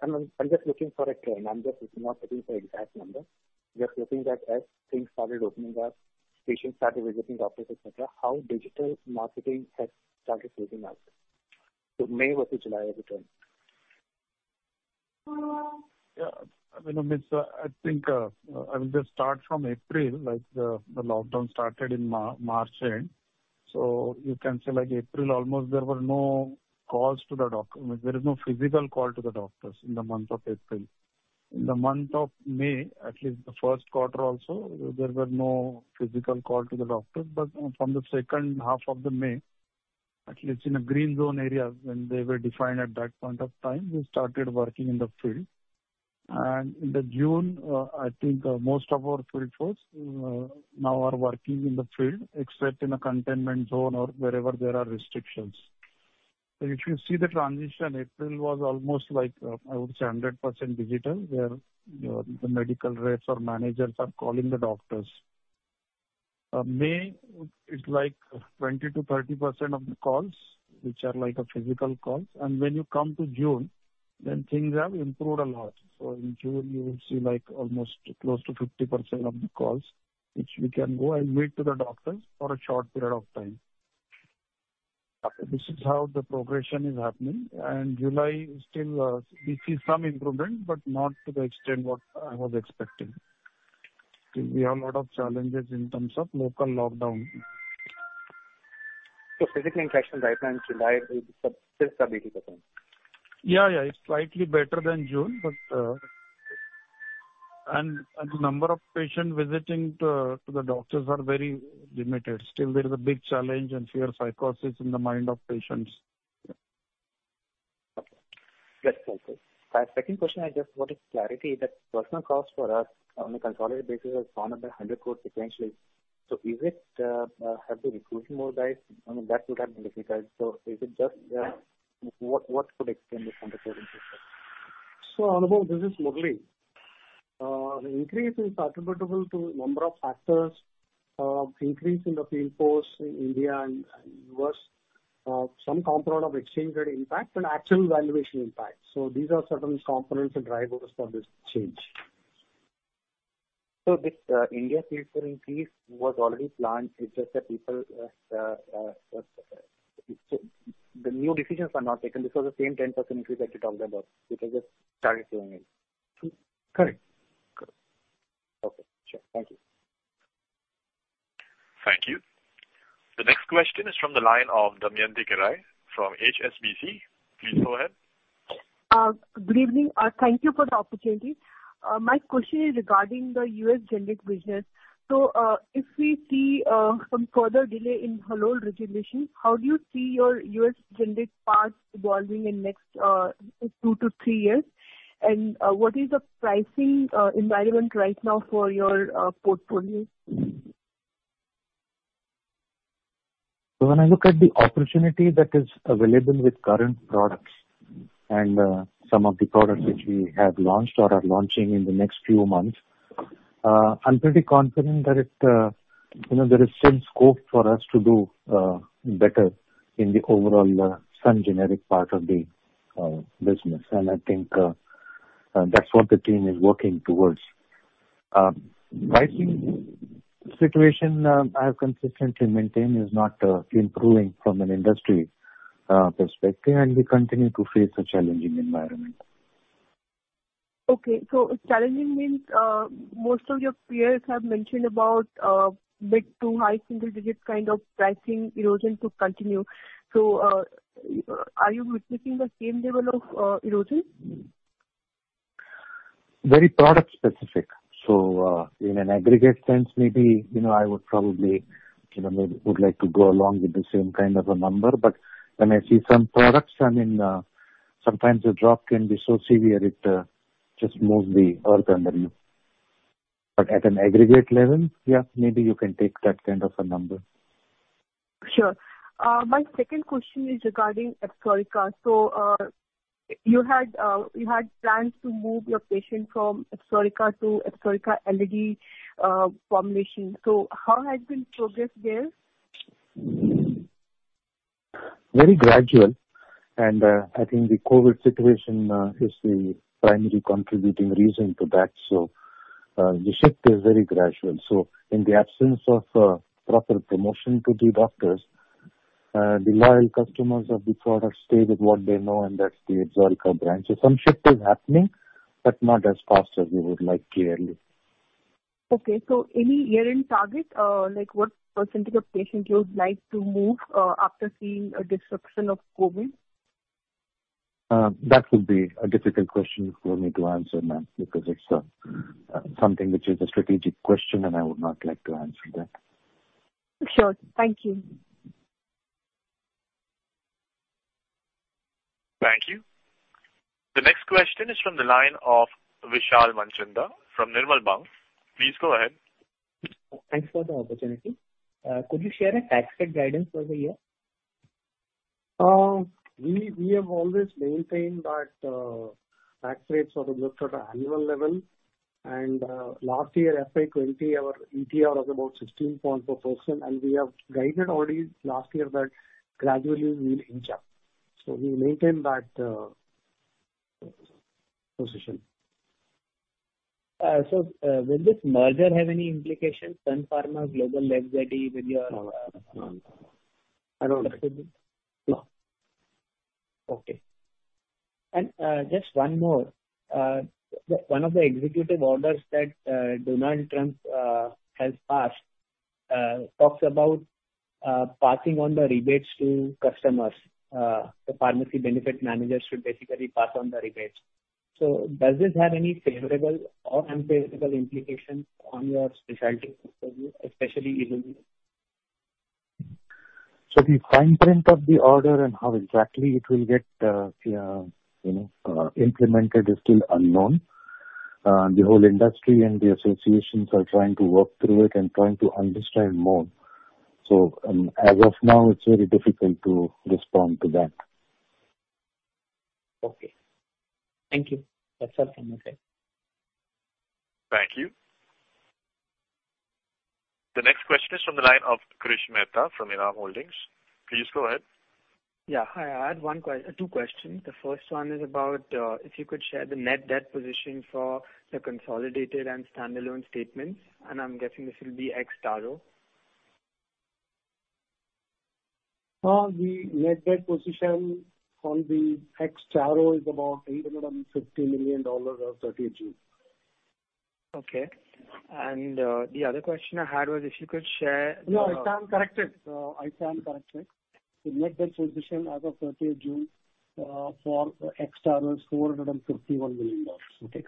[SPEAKER 12] I'm just looking for a trend. I'm just not looking for exact number. Just looking that as things started opening up, patients started visiting doctors, et cetera, how digital marketing has started phasing out. May versus July as the trend?
[SPEAKER 5] I think, I will just start from April. The lockdown started in March end. You can say April, almost there were no calls to the doctor. There is no physical call to the doctors in the month of April. In the month of May, at least the first quarter also, there were no physical call to the doctors. From the second half of the May, at least in a green zone areas, when they were defined at that point of time, we started working in the field. In the June, I think most of our field force now are working in the field, except in a containment zone or wherever there are restrictions. If you see the transition, April was almost like, I would say, 100% digital, where the medical reps or managers are calling the doctors. May, it's like 20%-30% of the calls, which are physical calls. When you come to June, things have improved a lot. In June, you will see almost close to 50% of the calls, which we can go and meet to the doctors for a short period of time. This is how the progression is happening. July is still, we see some improvement, but not to the extent what I was expecting. We have a lot of challenges in terms of local lockdown.
[SPEAKER 12] Physical interactions right now in July is still 70%?
[SPEAKER 5] Yeah. It's slightly better than June, and the number of patients visiting to the doctors are very limited. Still there is a big challenge and fear psychosis in the mind of patients.
[SPEAKER 12] Okay. That's helpful. My second question, I just wanted clarity that personnel cost for us on a consolidated basis has gone up by 100 crore sequentially. Have they recruited more guys? I mean, that would have been difficult. Is it just what could explain this 100 crore increase?
[SPEAKER 4] Anubhav, this is Murali. The increase is attributable to number of factors. Increase in the field force in India and U.S., some component of exchange rate impact and actuarial valuation impact. These are certain components and drivers for this change.
[SPEAKER 12] This India field force increase was already planned. It's just that the new decisions are not taken. This was the same 10% increase that you talked about, which has just started showing in?
[SPEAKER 4] Correct.
[SPEAKER 12] Okay, sure. Thank you.
[SPEAKER 1] Thank you. The next question is from the line of Damayanti Kerai from HSBC. Please go ahead.
[SPEAKER 13] Good evening. Thank you for the opportunity. My question is regarding the U.S. generic business. If we see some further delay in Halol resolution, how do you see your U.S. generic parts evolving in next two to three years? What is the pricing environment right now for your portfolio?
[SPEAKER 6] When I look at the opportunity that is available with current products and some of the products which we have launched or are launching in the next few months, I'm pretty confident that there is still scope for us to do better in the overall Sun generic part of the business. I think that's what the team is working towards. Pricing situation, I have consistently maintained, is not improving from an industry perspective, and we continue to face a challenging environment.
[SPEAKER 13] Okay. Challenging means most of your peers have mentioned about mid to high single digits kind of pricing erosion to continue. Are you witnessing the same level of erosion?
[SPEAKER 6] Very product specific. In an aggregate sense, maybe, I would probably like to go along with the same kind of a number, but when I see some products, sometimes the drop can be so severe it just moves the earth under you. At an aggregate level, yeah, maybe you can take that kind of a number.
[SPEAKER 13] Sure. My second question is regarding ABSORICA. You had plans to move your patient from ABSORICA to ABSORICA LD formulation. How has been progress there?
[SPEAKER 6] Very gradual. I think the COVID situation is the primary contributing reason to that. The shift is very gradual. In the absence of proper promotion to the doctors, the loyal customers of the product stay with what they know, and that's the ABSORICA brand. Some shift is happening, but not as fast as we would like, clearly.
[SPEAKER 13] Okay, any year-end target? Like what percentage of patients you would like to move after seeing a disruption of COVID?
[SPEAKER 6] That would be a difficult question for me to answer, ma'am, because it's something which is a strategic question. I would not like to answer that.
[SPEAKER 13] Sure. Thank you.
[SPEAKER 1] Thank you. The next question is from the line of Vishal Manchanda from Nirmal Bang. Please go ahead.
[SPEAKER 14] Thanks for the opportunity. Could you share a tax rate guidance for the year?
[SPEAKER 4] We have always maintained that tax rates are looked at an annual level, and last year, FY 2020, our ETR was about 16.4%, and we have guided already last year that gradually we'll inch up. We maintain that position.
[SPEAKER 14] Will this merger have any implications, Sun Pharma Global FZE, with your-
[SPEAKER 4] No.
[SPEAKER 14] No. Okay. Just one more. One of the executive orders that Donald Trump has passed talks about passing on the rebates to customers. The pharmacy benefit managers should basically pass on the rebates. Does this have any favorable or unfavorable implications on your specialty revenue, especially ILUMYA?
[SPEAKER 6] The fine print of the order and how exactly it will get implemented is still unknown. The whole industry and the associations are trying to work through it and trying to understand more. As of now, it's very difficult to respond to that.
[SPEAKER 14] Okay. Thank you. That's all from my side.
[SPEAKER 1] Thank you. The next question is from the line of Krish Mehta from Enam Holdings. Please go ahead.
[SPEAKER 15] Yeah. Hi. I had two questions. The first one is about if you could share the net debt position for the consolidated and standalone statements, and I'm guessing this will be ex-Taro.
[SPEAKER 4] The net debt position on the ex-Taro is about $850 million as of 30th June.
[SPEAKER 15] Okay. The other question I had was if you could share-
[SPEAKER 4] No, I stand corrected. The net debt position as of 30th June for ex-Taro is $451 million. Okay.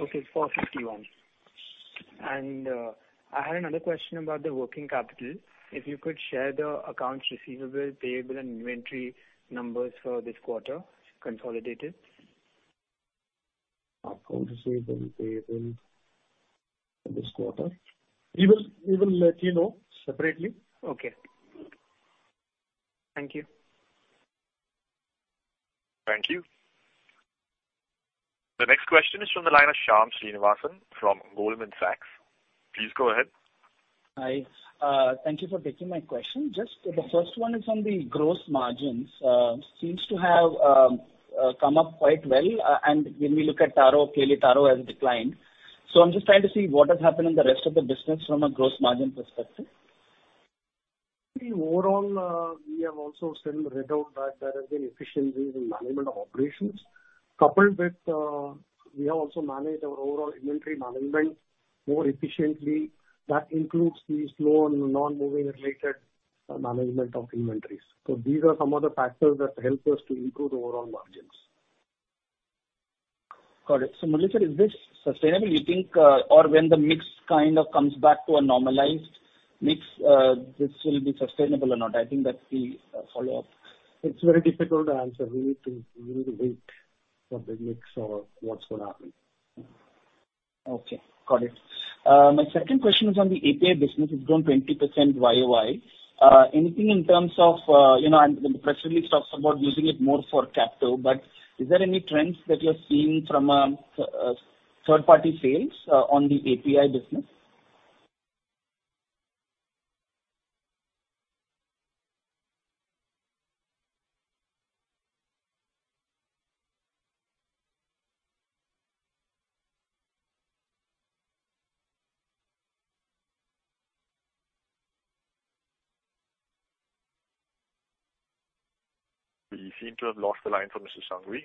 [SPEAKER 15] Okay. $451 million. I had another question about the working capital. If you could share the accounts receivable, payable, and inventory numbers for this quarter, consolidated.
[SPEAKER 4] Accounts receivable and payable for this quarter. We will let you know separately.
[SPEAKER 15] Okay. Thank you.
[SPEAKER 1] Thank you. The next question is from the line of Shyam Srinivasan from Goldman Sachs. Please go ahead.
[SPEAKER 16] Hi. Thank you for taking my question. Just the first one is on the gross margins. Seems to have come up quite well, and when we look at Taro, clearly Taro has declined. I'm just trying to see what has happened in the rest of the business from a gross margin perspective.
[SPEAKER 4] Overall, we have also seen the readout that there has been efficiencies in management operations, coupled with we have also managed our overall inventory management more efficiently. That includes the slow and non-moving related management of inventories. These are some of the factors that help us to improve overall margins.
[SPEAKER 16] Got it. Murali sir, is this sustainable, you think? When the mix kind of comes back to a normalized mix this will be sustainable or not? I think that's the follow-up.
[SPEAKER 4] It's very difficult to answer. We need to wait for the mix or what's going to happen.
[SPEAKER 16] Okay, got it. My second question is on the API business. It's grown 20% YoY. The press release talks about using it more for captive, but is there any trends that you're seeing from third-party sales on the API business?
[SPEAKER 1] We seem to have lost the line from Mr. Shanghvi.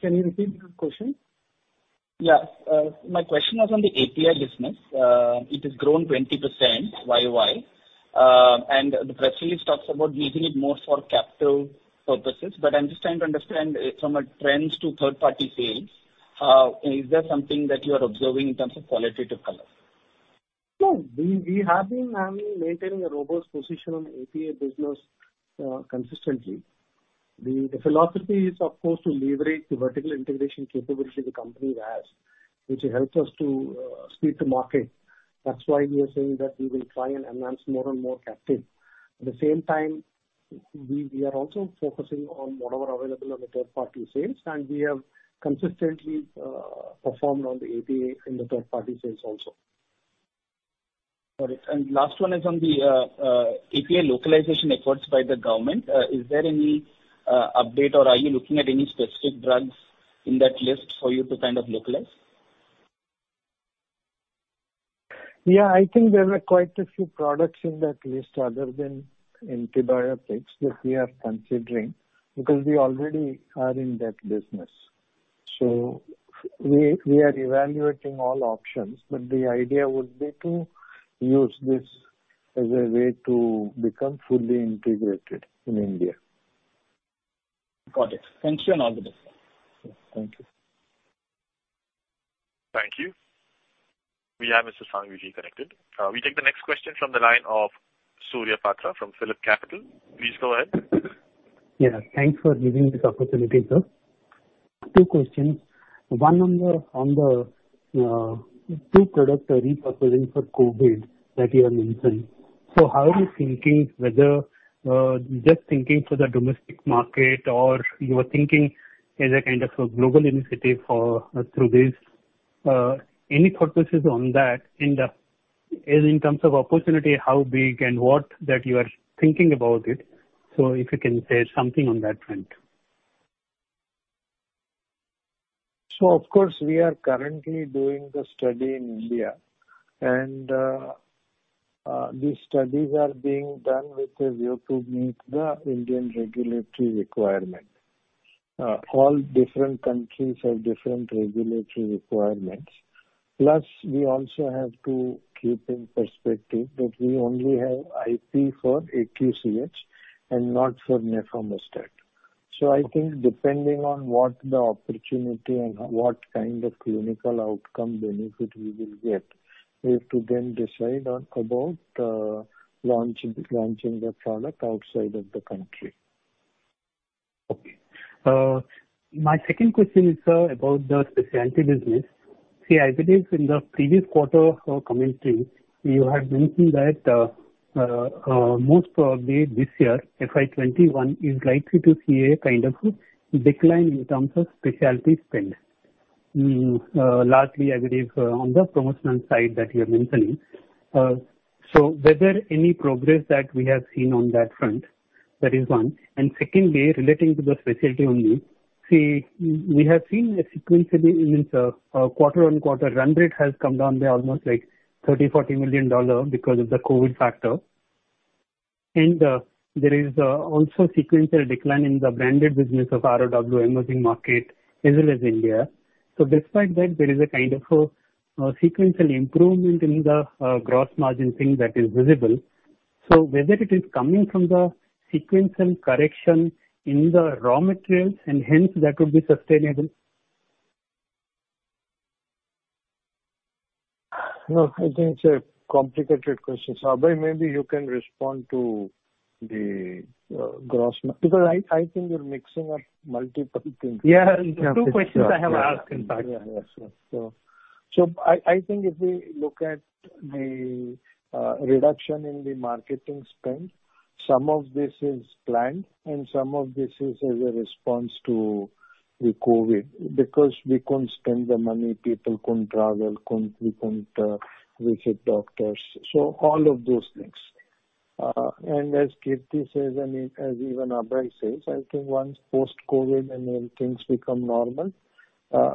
[SPEAKER 4] Can you repeat the question?
[SPEAKER 16] Yeah. My question was on the API business. It has grown 20% YoY, and the press release talks about using it more for captive purposes. I'm just trying to understand from a trends to third-party sales, is there something that you are observing in terms of qualitative color?
[SPEAKER 4] No. We have been maintaining a robust position on API business consistently. The philosophy is, of course, to leverage the vertical integration capability the company has, which helps us to speed to market. That's why we are saying that we will try and enhance more and more captive. At the same time, we are also focusing on whatever available on the third-party sales, and we have consistently performed on the API in the third-party sales also.
[SPEAKER 16] Got it. Last one is on the API localization efforts by the government. Is there any update or are you looking at any specific drugs in that list for you to localize?
[SPEAKER 4] Yeah, I think there were quite a few products in that list other than antibiotics that we are considering because we already are in that business. We are evaluating all options, but the idea would be to use this as a way to become fully integrated in India.
[SPEAKER 16] Got it. Thank you and all the best.
[SPEAKER 4] Thank you.
[SPEAKER 1] Thank you. We have Mr. Shanghvi reconnected. We take the next question from the line of Surya Patra from PhillipCapital. Please go ahead.
[SPEAKER 17] Yeah. Thanks for giving this opportunity, sir. Two questions. One on the two product repurposing for COVID that you have mentioned. How are you thinking whether just thinking for the domestic market or you are thinking as a kind of a global initiative through this? Any focuses on that in terms of opportunity, how big and what that you are thinking about it? If you can say something on that front.
[SPEAKER 3] Of course, we are currently doing the study in India, and these studies are being done with a view to meet the Indian regulatory requirement. All different countries have different regulatory requirements. Plus, we also have to keep in perspective that we only have IP for AQCH and not for nafamostat. I think depending on what the opportunity and what kind of clinical outcome benefit we will get, we have to then decide about launching the product outside of the country.
[SPEAKER 17] My second question is, sir, about the specialty business. As it is in the previous quarter commentary, you had mentioned that most probably this year, FY 2021, is likely to see a kind of decline in terms of specialty spend. Largely, I believe, on the promotional side that you're mentioning. Was there any progress that we have seen on that front? That is one. Secondly, relating to the specialty only, we have seen sequentially, even quarter-on-quarter, run rate has come down by almost $30 million-$40 million because of the COVID-19 factor. There is also sequential decline in the branded business of ROW emerging market as well as India. Despite that, there is a kind of a sequential improvement in the gross margin thing that is visible. Whether it is coming from the sequential correction in the raw materials and hence that would be sustainable?
[SPEAKER 3] No, I think it's a complicated question. Abhay, maybe you can respond to the gross because I think you're mixing up multiple things.
[SPEAKER 17] Yeah, two questions I have asked, in fact.
[SPEAKER 3] I think if we look at the reduction in the marketing spend, some of this is planned, and some of this is as a response to the COVID-19, because we couldn't spend the money, people couldn't travel, we couldn't visit doctors. All of those things. As Kirti says, and as even Abhay says, I think once post-COVID-19 and when things become normal,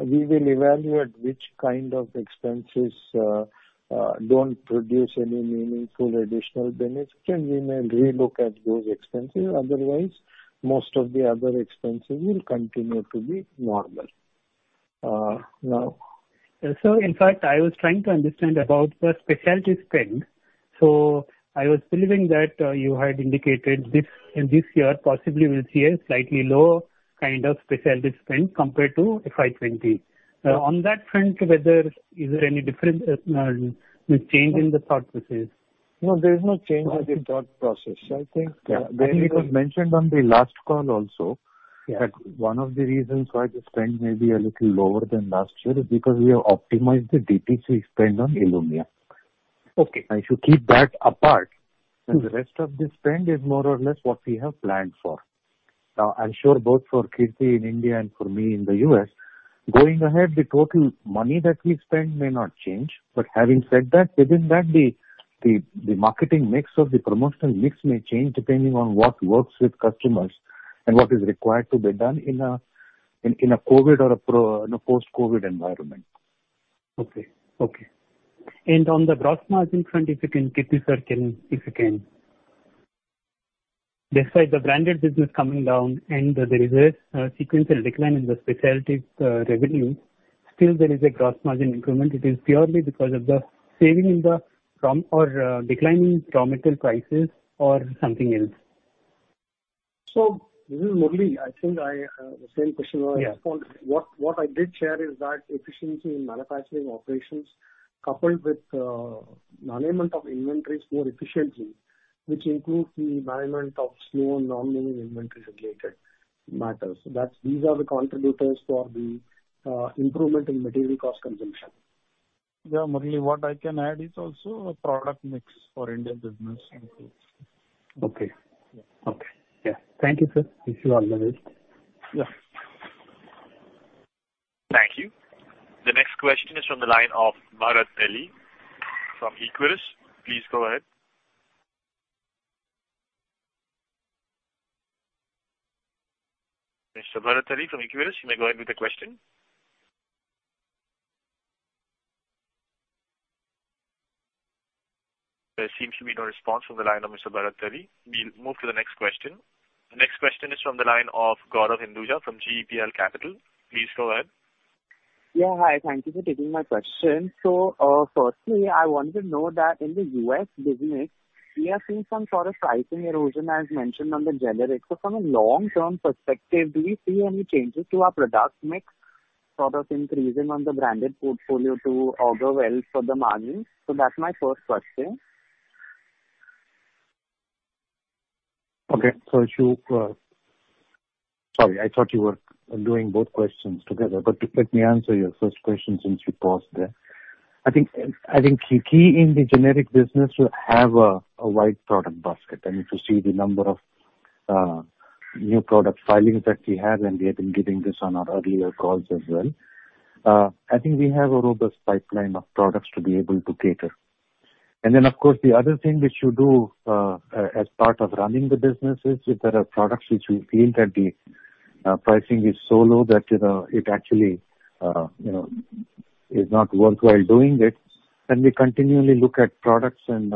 [SPEAKER 3] we will evaluate which kind of expenses don't produce any meaningful additional benefit, and we may relook at those expenses. Otherwise, most of the other expenses will continue to be normal.
[SPEAKER 17] Sir, in fact, I was trying to understand about the specialty spend. I was believing that you had indicated in this year, possibly we'll see a slightly lower kind of specialty spend compared to FY 2020. On that front, is there any difference with change in the thought process?
[SPEAKER 3] No, there is no change in the thought process.
[SPEAKER 6] Yeah. It was mentioned on the last call also.
[SPEAKER 3] Yeah.
[SPEAKER 6] That one of the reasons why the spend may be a little lower than last year is because we have optimized the DTC spend on ILUMYA.
[SPEAKER 17] Okay.
[SPEAKER 6] If you keep that apart, the rest of the spend is more or less what we have planned for. I'm sure both for Kirti in India and for me in the U.S., going ahead the total money that we spend may not change. Having said that, within that, the marketing mix or the promotional mix may change depending on what works with customers and what is required to be done in a COVID-19 or a post-COVID-19 environment.
[SPEAKER 17] Okay. On the gross margin front, if you can, Kirti sir, if you can. Despite the branded business coming down and there is a sequential decline in the specialties revenue, still there is a gross margin improvement. It is purely because of the decline in raw material prices or something else?
[SPEAKER 4] This is Murali. I think the same question was-
[SPEAKER 17] Yeah.
[SPEAKER 4] What I did share is that efficiency in manufacturing operations coupled with management of inventories more efficiently, which includes the management of slow-moving inventory-related matters. These are the contributors for the improvement in material cost consumption.
[SPEAKER 5] Yeah, Murali, what I can add is also the product mix for Indian business has improved.
[SPEAKER 17] Okay.
[SPEAKER 5] Yeah.
[SPEAKER 17] Okay. Yeah. Thank you, sir. Wish you all the best.
[SPEAKER 5] Yes.
[SPEAKER 1] Thank you. The next question is from the line of Bharat Bali from Equirus. Please go ahead. Mr. Bharat Bali from Equirus, you may go ahead with the question. There seems to be no response from the line of Mr. Bharat Bali. We will move to the next question. The next question is from the line of Gaurav Hinduja from GEPL Capital. Please go ahead.
[SPEAKER 18] Yeah. Hi. Thank you for taking my question. Firstly, I want to know that in the U.S. business, we are seeing some sort of pricing erosion as mentioned on the generics. From a long-term perspective, do you see any changes to our product mix sort of increasing on the branded portfolio to augur well for the margins? That's my first question.
[SPEAKER 6] Okay. Sorry, I thought you were doing both questions together. Let me answer your first question since you paused there. I think key in the generic business, we have a wide product basket, and if you see the number of new product filings that we have, and we have been giving this on our earlier calls as well. I think we have a robust pipeline of products to be able to cater. Of course, the other thing which you do as part of running the business is if there are products which we feel that the pricing is so low that it actually is not worthwhile doing it, then we continually look at products and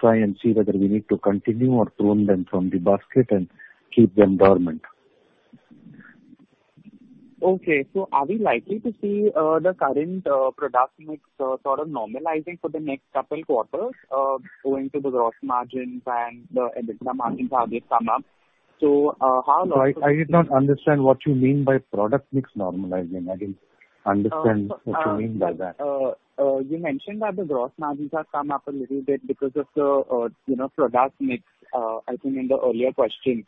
[SPEAKER 6] try and see whether we need to continue or prune them from the basket and keep them dormant.
[SPEAKER 18] Okay. Are we likely to see the current product mix sort of normalizing for the next couple quarters, going to the gross margins and the EBITDA margins have come up?
[SPEAKER 6] I did not understand what you mean by product mix normalizing. I didn't understand what you mean by that.
[SPEAKER 18] You mentioned that the gross margins have come up a little bit because of the product mix, I think in the earlier question.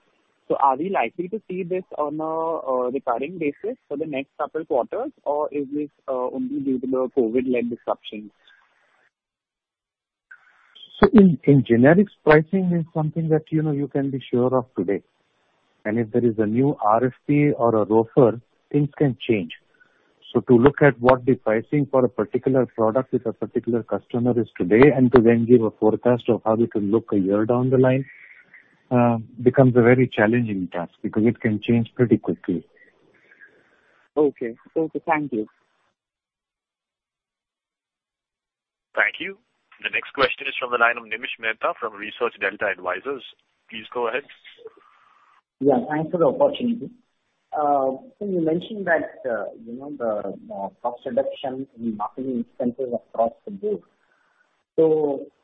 [SPEAKER 18] Are we likely to see this on a recurring basis for the next couple quarters, or is this only due to the COVID-led disruption?
[SPEAKER 6] In generics, pricing is something that you can be sure of today. If there is a new RFP or a ROFR, things can change. To look at what the pricing for a particular product with a particular customer is today and to then give a forecast of how it will look a year down the line becomes a very challenging task because it can change pretty quickly.
[SPEAKER 18] Okay. Thank you.
[SPEAKER 1] Thank you. The next question is from the line of Nimish Mehta from Research Delta Advisors. Please go ahead.
[SPEAKER 19] Yeah, thanks for the opportunity. Sir, you mentioned that the cost reduction in marketing expenses across the group.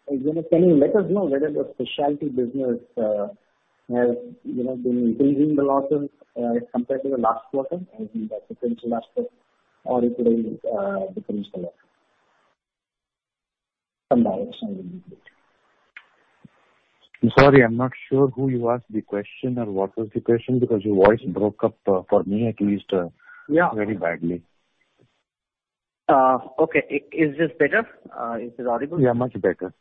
[SPEAKER 19] Can you let us know whether the specialty business has been increasing the losses compared to the last quarter as in the sequential aspect or it will decrease the loss? Some direction will be good.
[SPEAKER 6] I'm sorry. I'm not sure who you asked the question or what was the question because your voice broke up, for me at least-
[SPEAKER 19] Yeah....
[SPEAKER 6] very badly.
[SPEAKER 19] Okay. Is this better? Is this audible?
[SPEAKER 6] Yeah, much better.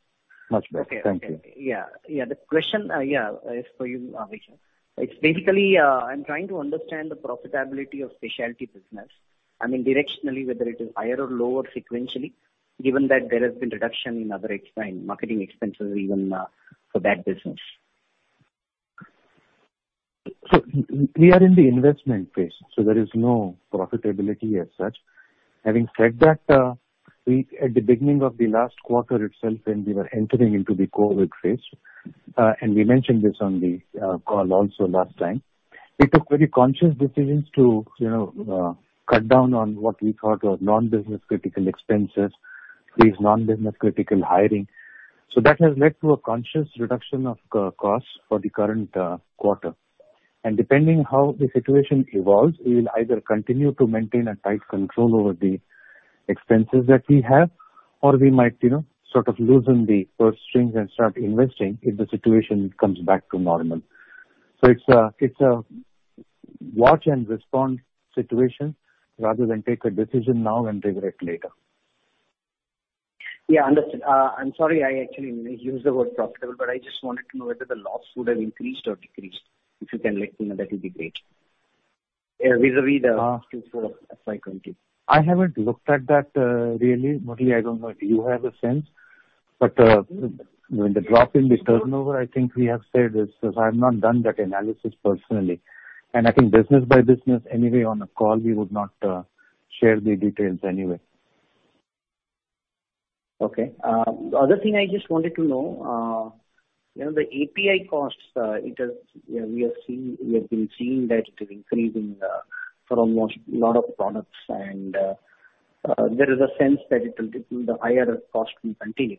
[SPEAKER 6] Much better. Thank you.
[SPEAKER 19] Okay. Yeah. The question, yeah, is for you, Abhay sir. Basically, I'm trying to understand the profitability of specialty business. I mean directionally, whether it is higher or lower sequentially, given that there has been reduction in other marketing expenses even for that business.
[SPEAKER 6] We are in the investment phase, so there is no profitability as such. Having said that, at the beginning of the last quarter itself, when we were entering into the COVID phase, and we mentioned this on the call also last time. We took very conscious decisions to cut down on what we thought were non-business critical expenses, these non-business critical hiring. That has led to a conscious reduction of costs for the current quarter. And depending how the situation evolves, we will either continue to maintain a tight control over the expenses that we have, or we might loosen the purse strings and start investing if the situation comes back to normal. It's a watch and respond situation rather than take a decision now and regret later.
[SPEAKER 19] Yeah, understood. I'm sorry, I actually used the word profitable, I just wanted to know whether the loss would have increased or decreased. If you can let me know, that would be great. Vis-a-vis the last Q4 of FY 2020.
[SPEAKER 6] I haven't looked at that really. Murali, I don't know if you have a sense. The drop in the turnover, I think we have said is because I've not done that analysis personally. I think business by business anyway, on a call, we would not share the details anyway.
[SPEAKER 19] Okay. Other thing I just wanted to know, the API costs, we have been seeing that it is increasing for a lot of products and there is a sense that the higher cost will continue.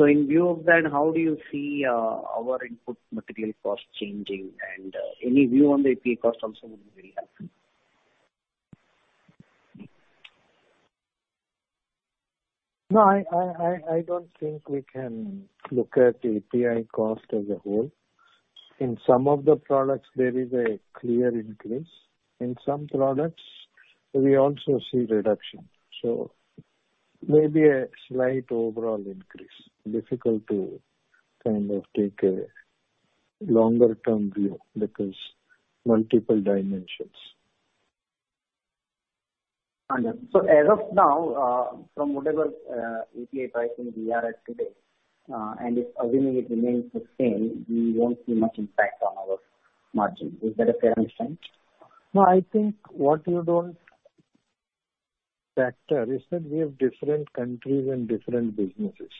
[SPEAKER 19] In view of that, how do you see our input material cost changing? And any view on the API cost also would be really helpful.
[SPEAKER 3] No, I don't think we can look at API cost as a whole. In some of the products, there is a clear increase. In some products, we also see reduction. Maybe a slight overall increase. Difficult to take a longer-term view because multiple dimensions.
[SPEAKER 19] Understood. As of now, from whatever API pricing we are at today, and if assuming it remains the same, we won't see much impact on our margin. Is that a fair understanding?
[SPEAKER 3] I think what you don't factor is that we have different countries and different businesses.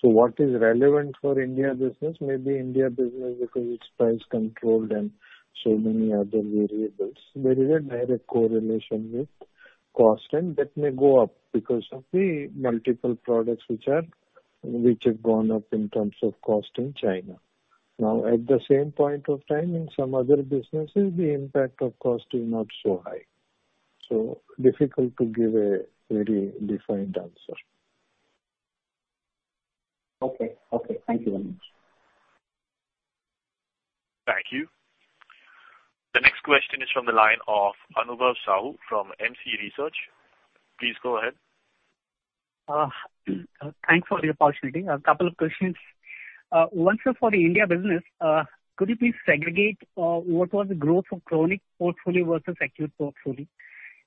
[SPEAKER 3] What is relevant for India business maybe India business because it's price controlled and so many other variables. There is a direct correlation with cost, and that may go up because of the multiple products which have gone up in terms of cost in China. At the same point of time, in some other businesses, the impact of cost is not so high. It is difficult to give a really defined answer.
[SPEAKER 19] Okay. Thank you very much.
[SPEAKER 1] Thank you. The next question is from the line of Anubhav Sahu from MC Research. Please go ahead.
[SPEAKER 20] Thanks for your opportunity. A couple of questions. One, sir, for the India business, could you please segregate what was the growth of chronic portfolio versus acute portfolio?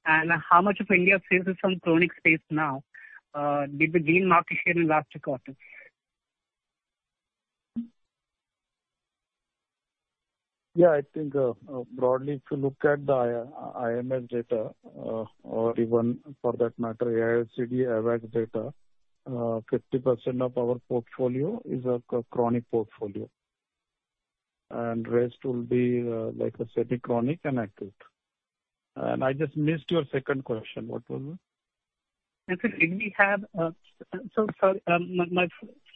[SPEAKER 20] How much of India faces some chronic space now? Did we gain market share in last quarter?
[SPEAKER 5] Yeah, I think, broadly, if you look at the IMS data or even, for that matter, AIOCD-AWACS data, 50% of our portfolio is a chronic portfolio. Rest will be semi-chronic and acute. I just missed your second question. What was it?
[SPEAKER 20] Yes, sir. My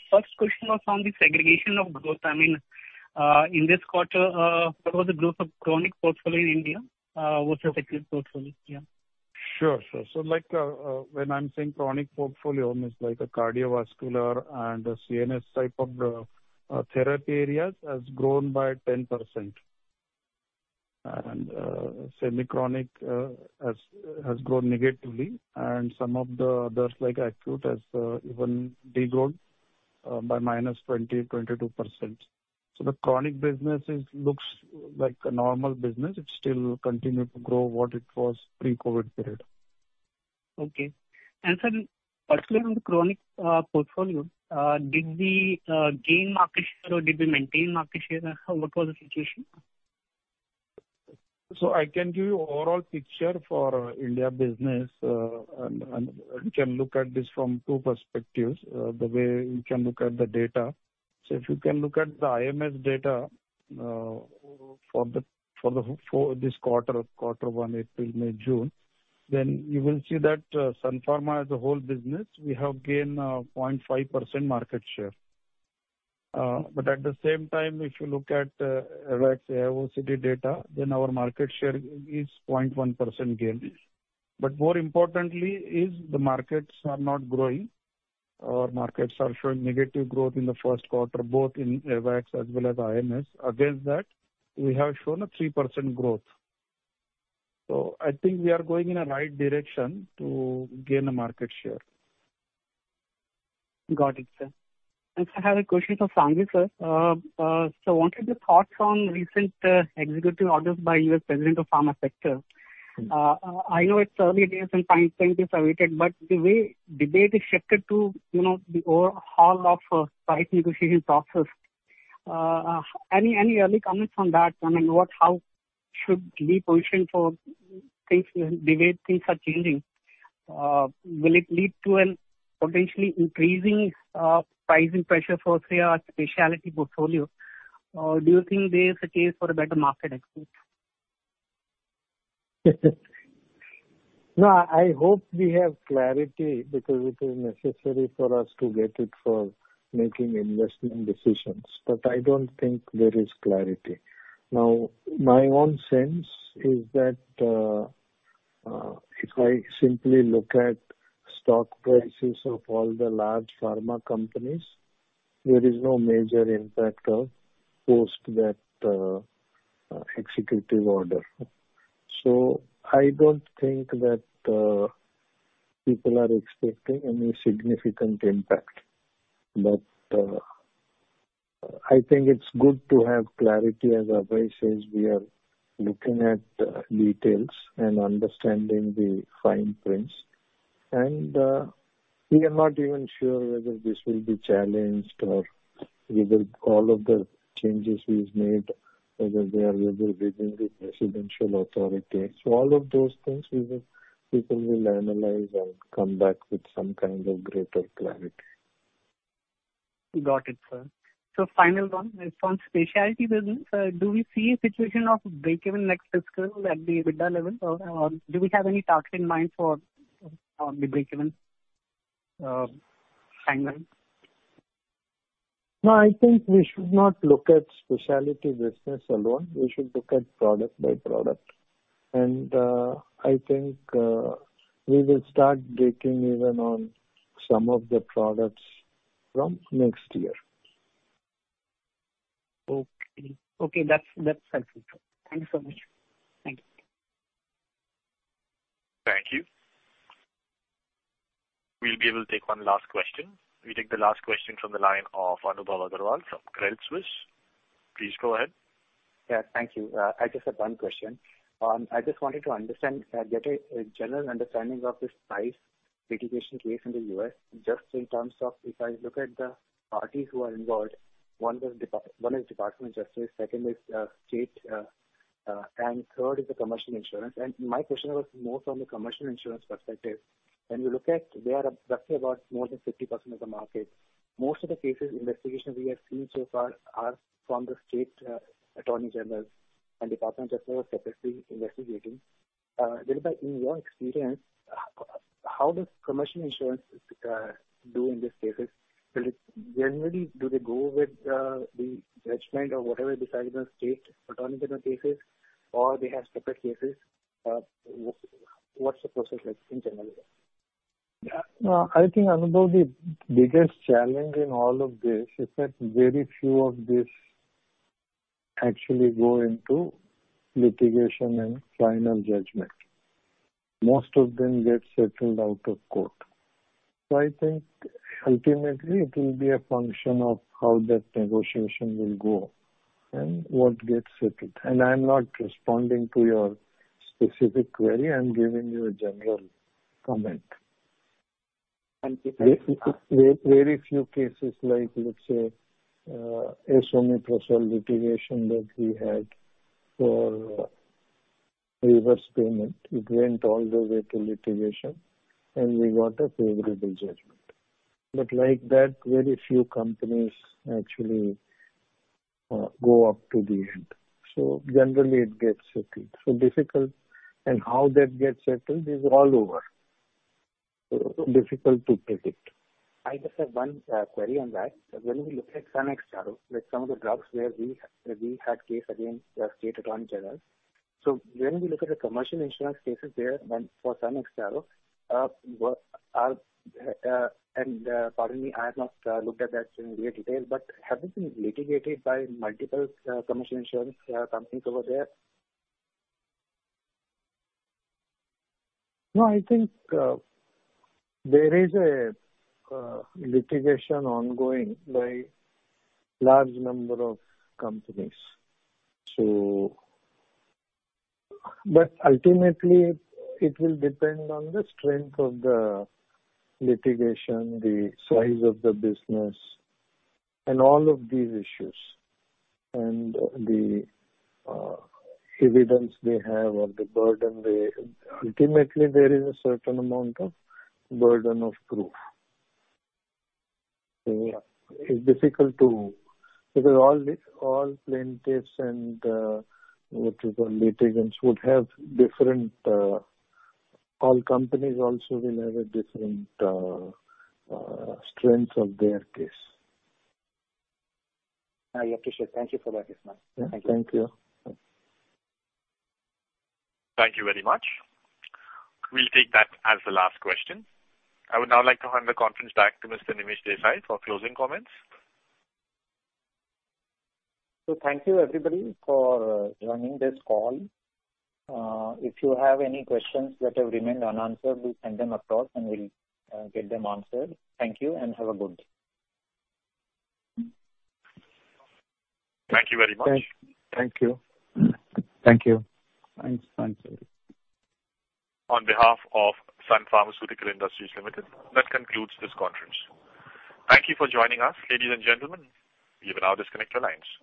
[SPEAKER 20] first question was on the segregation of growth. In this quarter, what was the growth of chronic portfolio in India versus acute portfolio? Yeah.
[SPEAKER 5] Sure. When I'm saying chronic portfolio, means cardiovascular and CNS type of therapy areas has grown by 10%. Semi-chronic has grown negatively and some of the others like acute has even de-grown by -20% to -22%. The chronic business looks like a normal business. It still continued to grow what it was pre-COVID period.
[SPEAKER 20] Okay. Sir, particularly on the chronic portfolio, did we gain market share or did we maintain market share? What was the situation?
[SPEAKER 5] I can give you overall picture for India business, and we can look at this from two perspectives, the way we can look at the data. If you can look at the IMS data for this quarter one, April, May, June, you will see that Sun Pharma as a whole business, we have gained 0.5% market share. At the same time, if you look at AWACS-AIOCD data, our market share is 0.1% gain. More importantly is the markets are not growing. Our markets are showing negative growth in the first quarter, both in AWACS as well as IMS. Against that, we have shown a 3% growth. I think we are going in a right direction to gain a market share.
[SPEAKER 20] Got it, sir. Sir, I have a question for Mr. Shanghvi, sir. Sir, what is your thoughts on recent executive orders by U.S. President on the pharma sector? I know it's early days and final things awaited, but the way debate is shifted to the overhaul of price negotiation process. Any early comments on that? How should we position for things, the way things are changing? Will it lead to potentially increasing pricing pressure for Sun specialty portfolio? Do you think there is a case for a better market access?
[SPEAKER 3] No, I hope we have clarity because it is necessary for us to get it for making investment decisions. I don't think there is clarity. My own sense is that, if I simply look at stock prices of all the large pharma companies, there is no major impact post that executive order. I don't think that people are expecting any significant impact. I think it's good to have clarity, as Abhay says, we are looking at the details and understanding the fine prints. We are not even sure whether this will be challenged or whether all of the changes he's made, whether they are within the presidential authority. All of those things, people will analyze and come back with some kind of greater clarity.
[SPEAKER 20] Got it, sir. Final one. On specialty business, do we see a situation of breakeven next fiscal at the EBITDA level? Do we have any target in mind for the breakeven segment?
[SPEAKER 3] No, I think we should not look at specialty business alone. We should look at product by product. I think we will start getting even on some of the products from next year.
[SPEAKER 20] Okay. Okay, that's helpful, sir. Thank you so much. Thank you.
[SPEAKER 1] Thank you. We'll be able to take one last question. We take the last question from the line of Anubhav Aggarwal from Credit Suisse. Please go ahead.
[SPEAKER 12] Yeah. Thank you. I just have one question. I just wanted to get a general understanding of this price litigation case in the U.S., just in terms of if I look at the parties who are involved, one is Department of Justice, second is state, and third is the commercial insurance. My question was more from the commercial insurance perspective. When you look at, they are roughly about more than 50% of the market. Most of the cases investigation we have seen so far are from the state attorney general and Department of Justice separately investigating. Dilip, in your experience, how does commercial insurance do in these cases? Generally, do they go with the judgment or whatever decided by state attorney general cases, or they have separate cases? What's the process like in general here?
[SPEAKER 3] I think, Anubhav, the biggest challenge in all of this is that very few of these actually go into litigation and final judgment. Most of them get settled out of court. I think ultimately it will be a function of how that negotiation will go and what gets settled. I'm not responding to your specific query, I'm giving you a general comment.
[SPEAKER 12] Thank you.
[SPEAKER 3] Very few cases like, let's say, esomeprazole litigation that we had for reverse payment. It went all the way to litigation, and we got a favorable judgment. Like that, very few companies actually go up to the end. Generally, it gets settled. Difficult. How that gets settled is all over. Difficult to predict.
[SPEAKER 12] I just have one query on that. When we look at Sun ex-Taro, like some of the drugs where we had case against the state attorney general. When we look at the commercial insurance cases there for Sun ex-Taro, and pardon me, I have not looked at that in great detail, but haven't been litigated by multiple commercial insurance companies over there?
[SPEAKER 3] I think there is a litigation ongoing by large number of companies. Ultimately, it will depend on the strength of the litigation, the size of the business, and all of these issues. The evidence they have or ultimately, there is a certain amount of burden of proof. It's difficult. Because all plaintiffs and, what you call, litigants would have different, all companies also will have a different strength of their case.
[SPEAKER 12] I appreciate. Thank you for that, Dilip.
[SPEAKER 3] Yeah. Thank you.
[SPEAKER 1] Thank you very much. We will take that as the last question. I would now like to hand the conference back to Mr. Nimish Desai for closing comments.
[SPEAKER 2] Thank you everybody for joining this call. If you have any questions that have remained unanswered, please send them across and we'll get them answered. Thank you, and have a good day.
[SPEAKER 1] Thank you very much.
[SPEAKER 3] Thank you.
[SPEAKER 4] Thank you.
[SPEAKER 5] Thanks.
[SPEAKER 1] On behalf of Sun Pharmaceutical Industries Limited, that concludes this conference. Thank you for joining us, ladies and gentlemen. You can now disconnect your lines.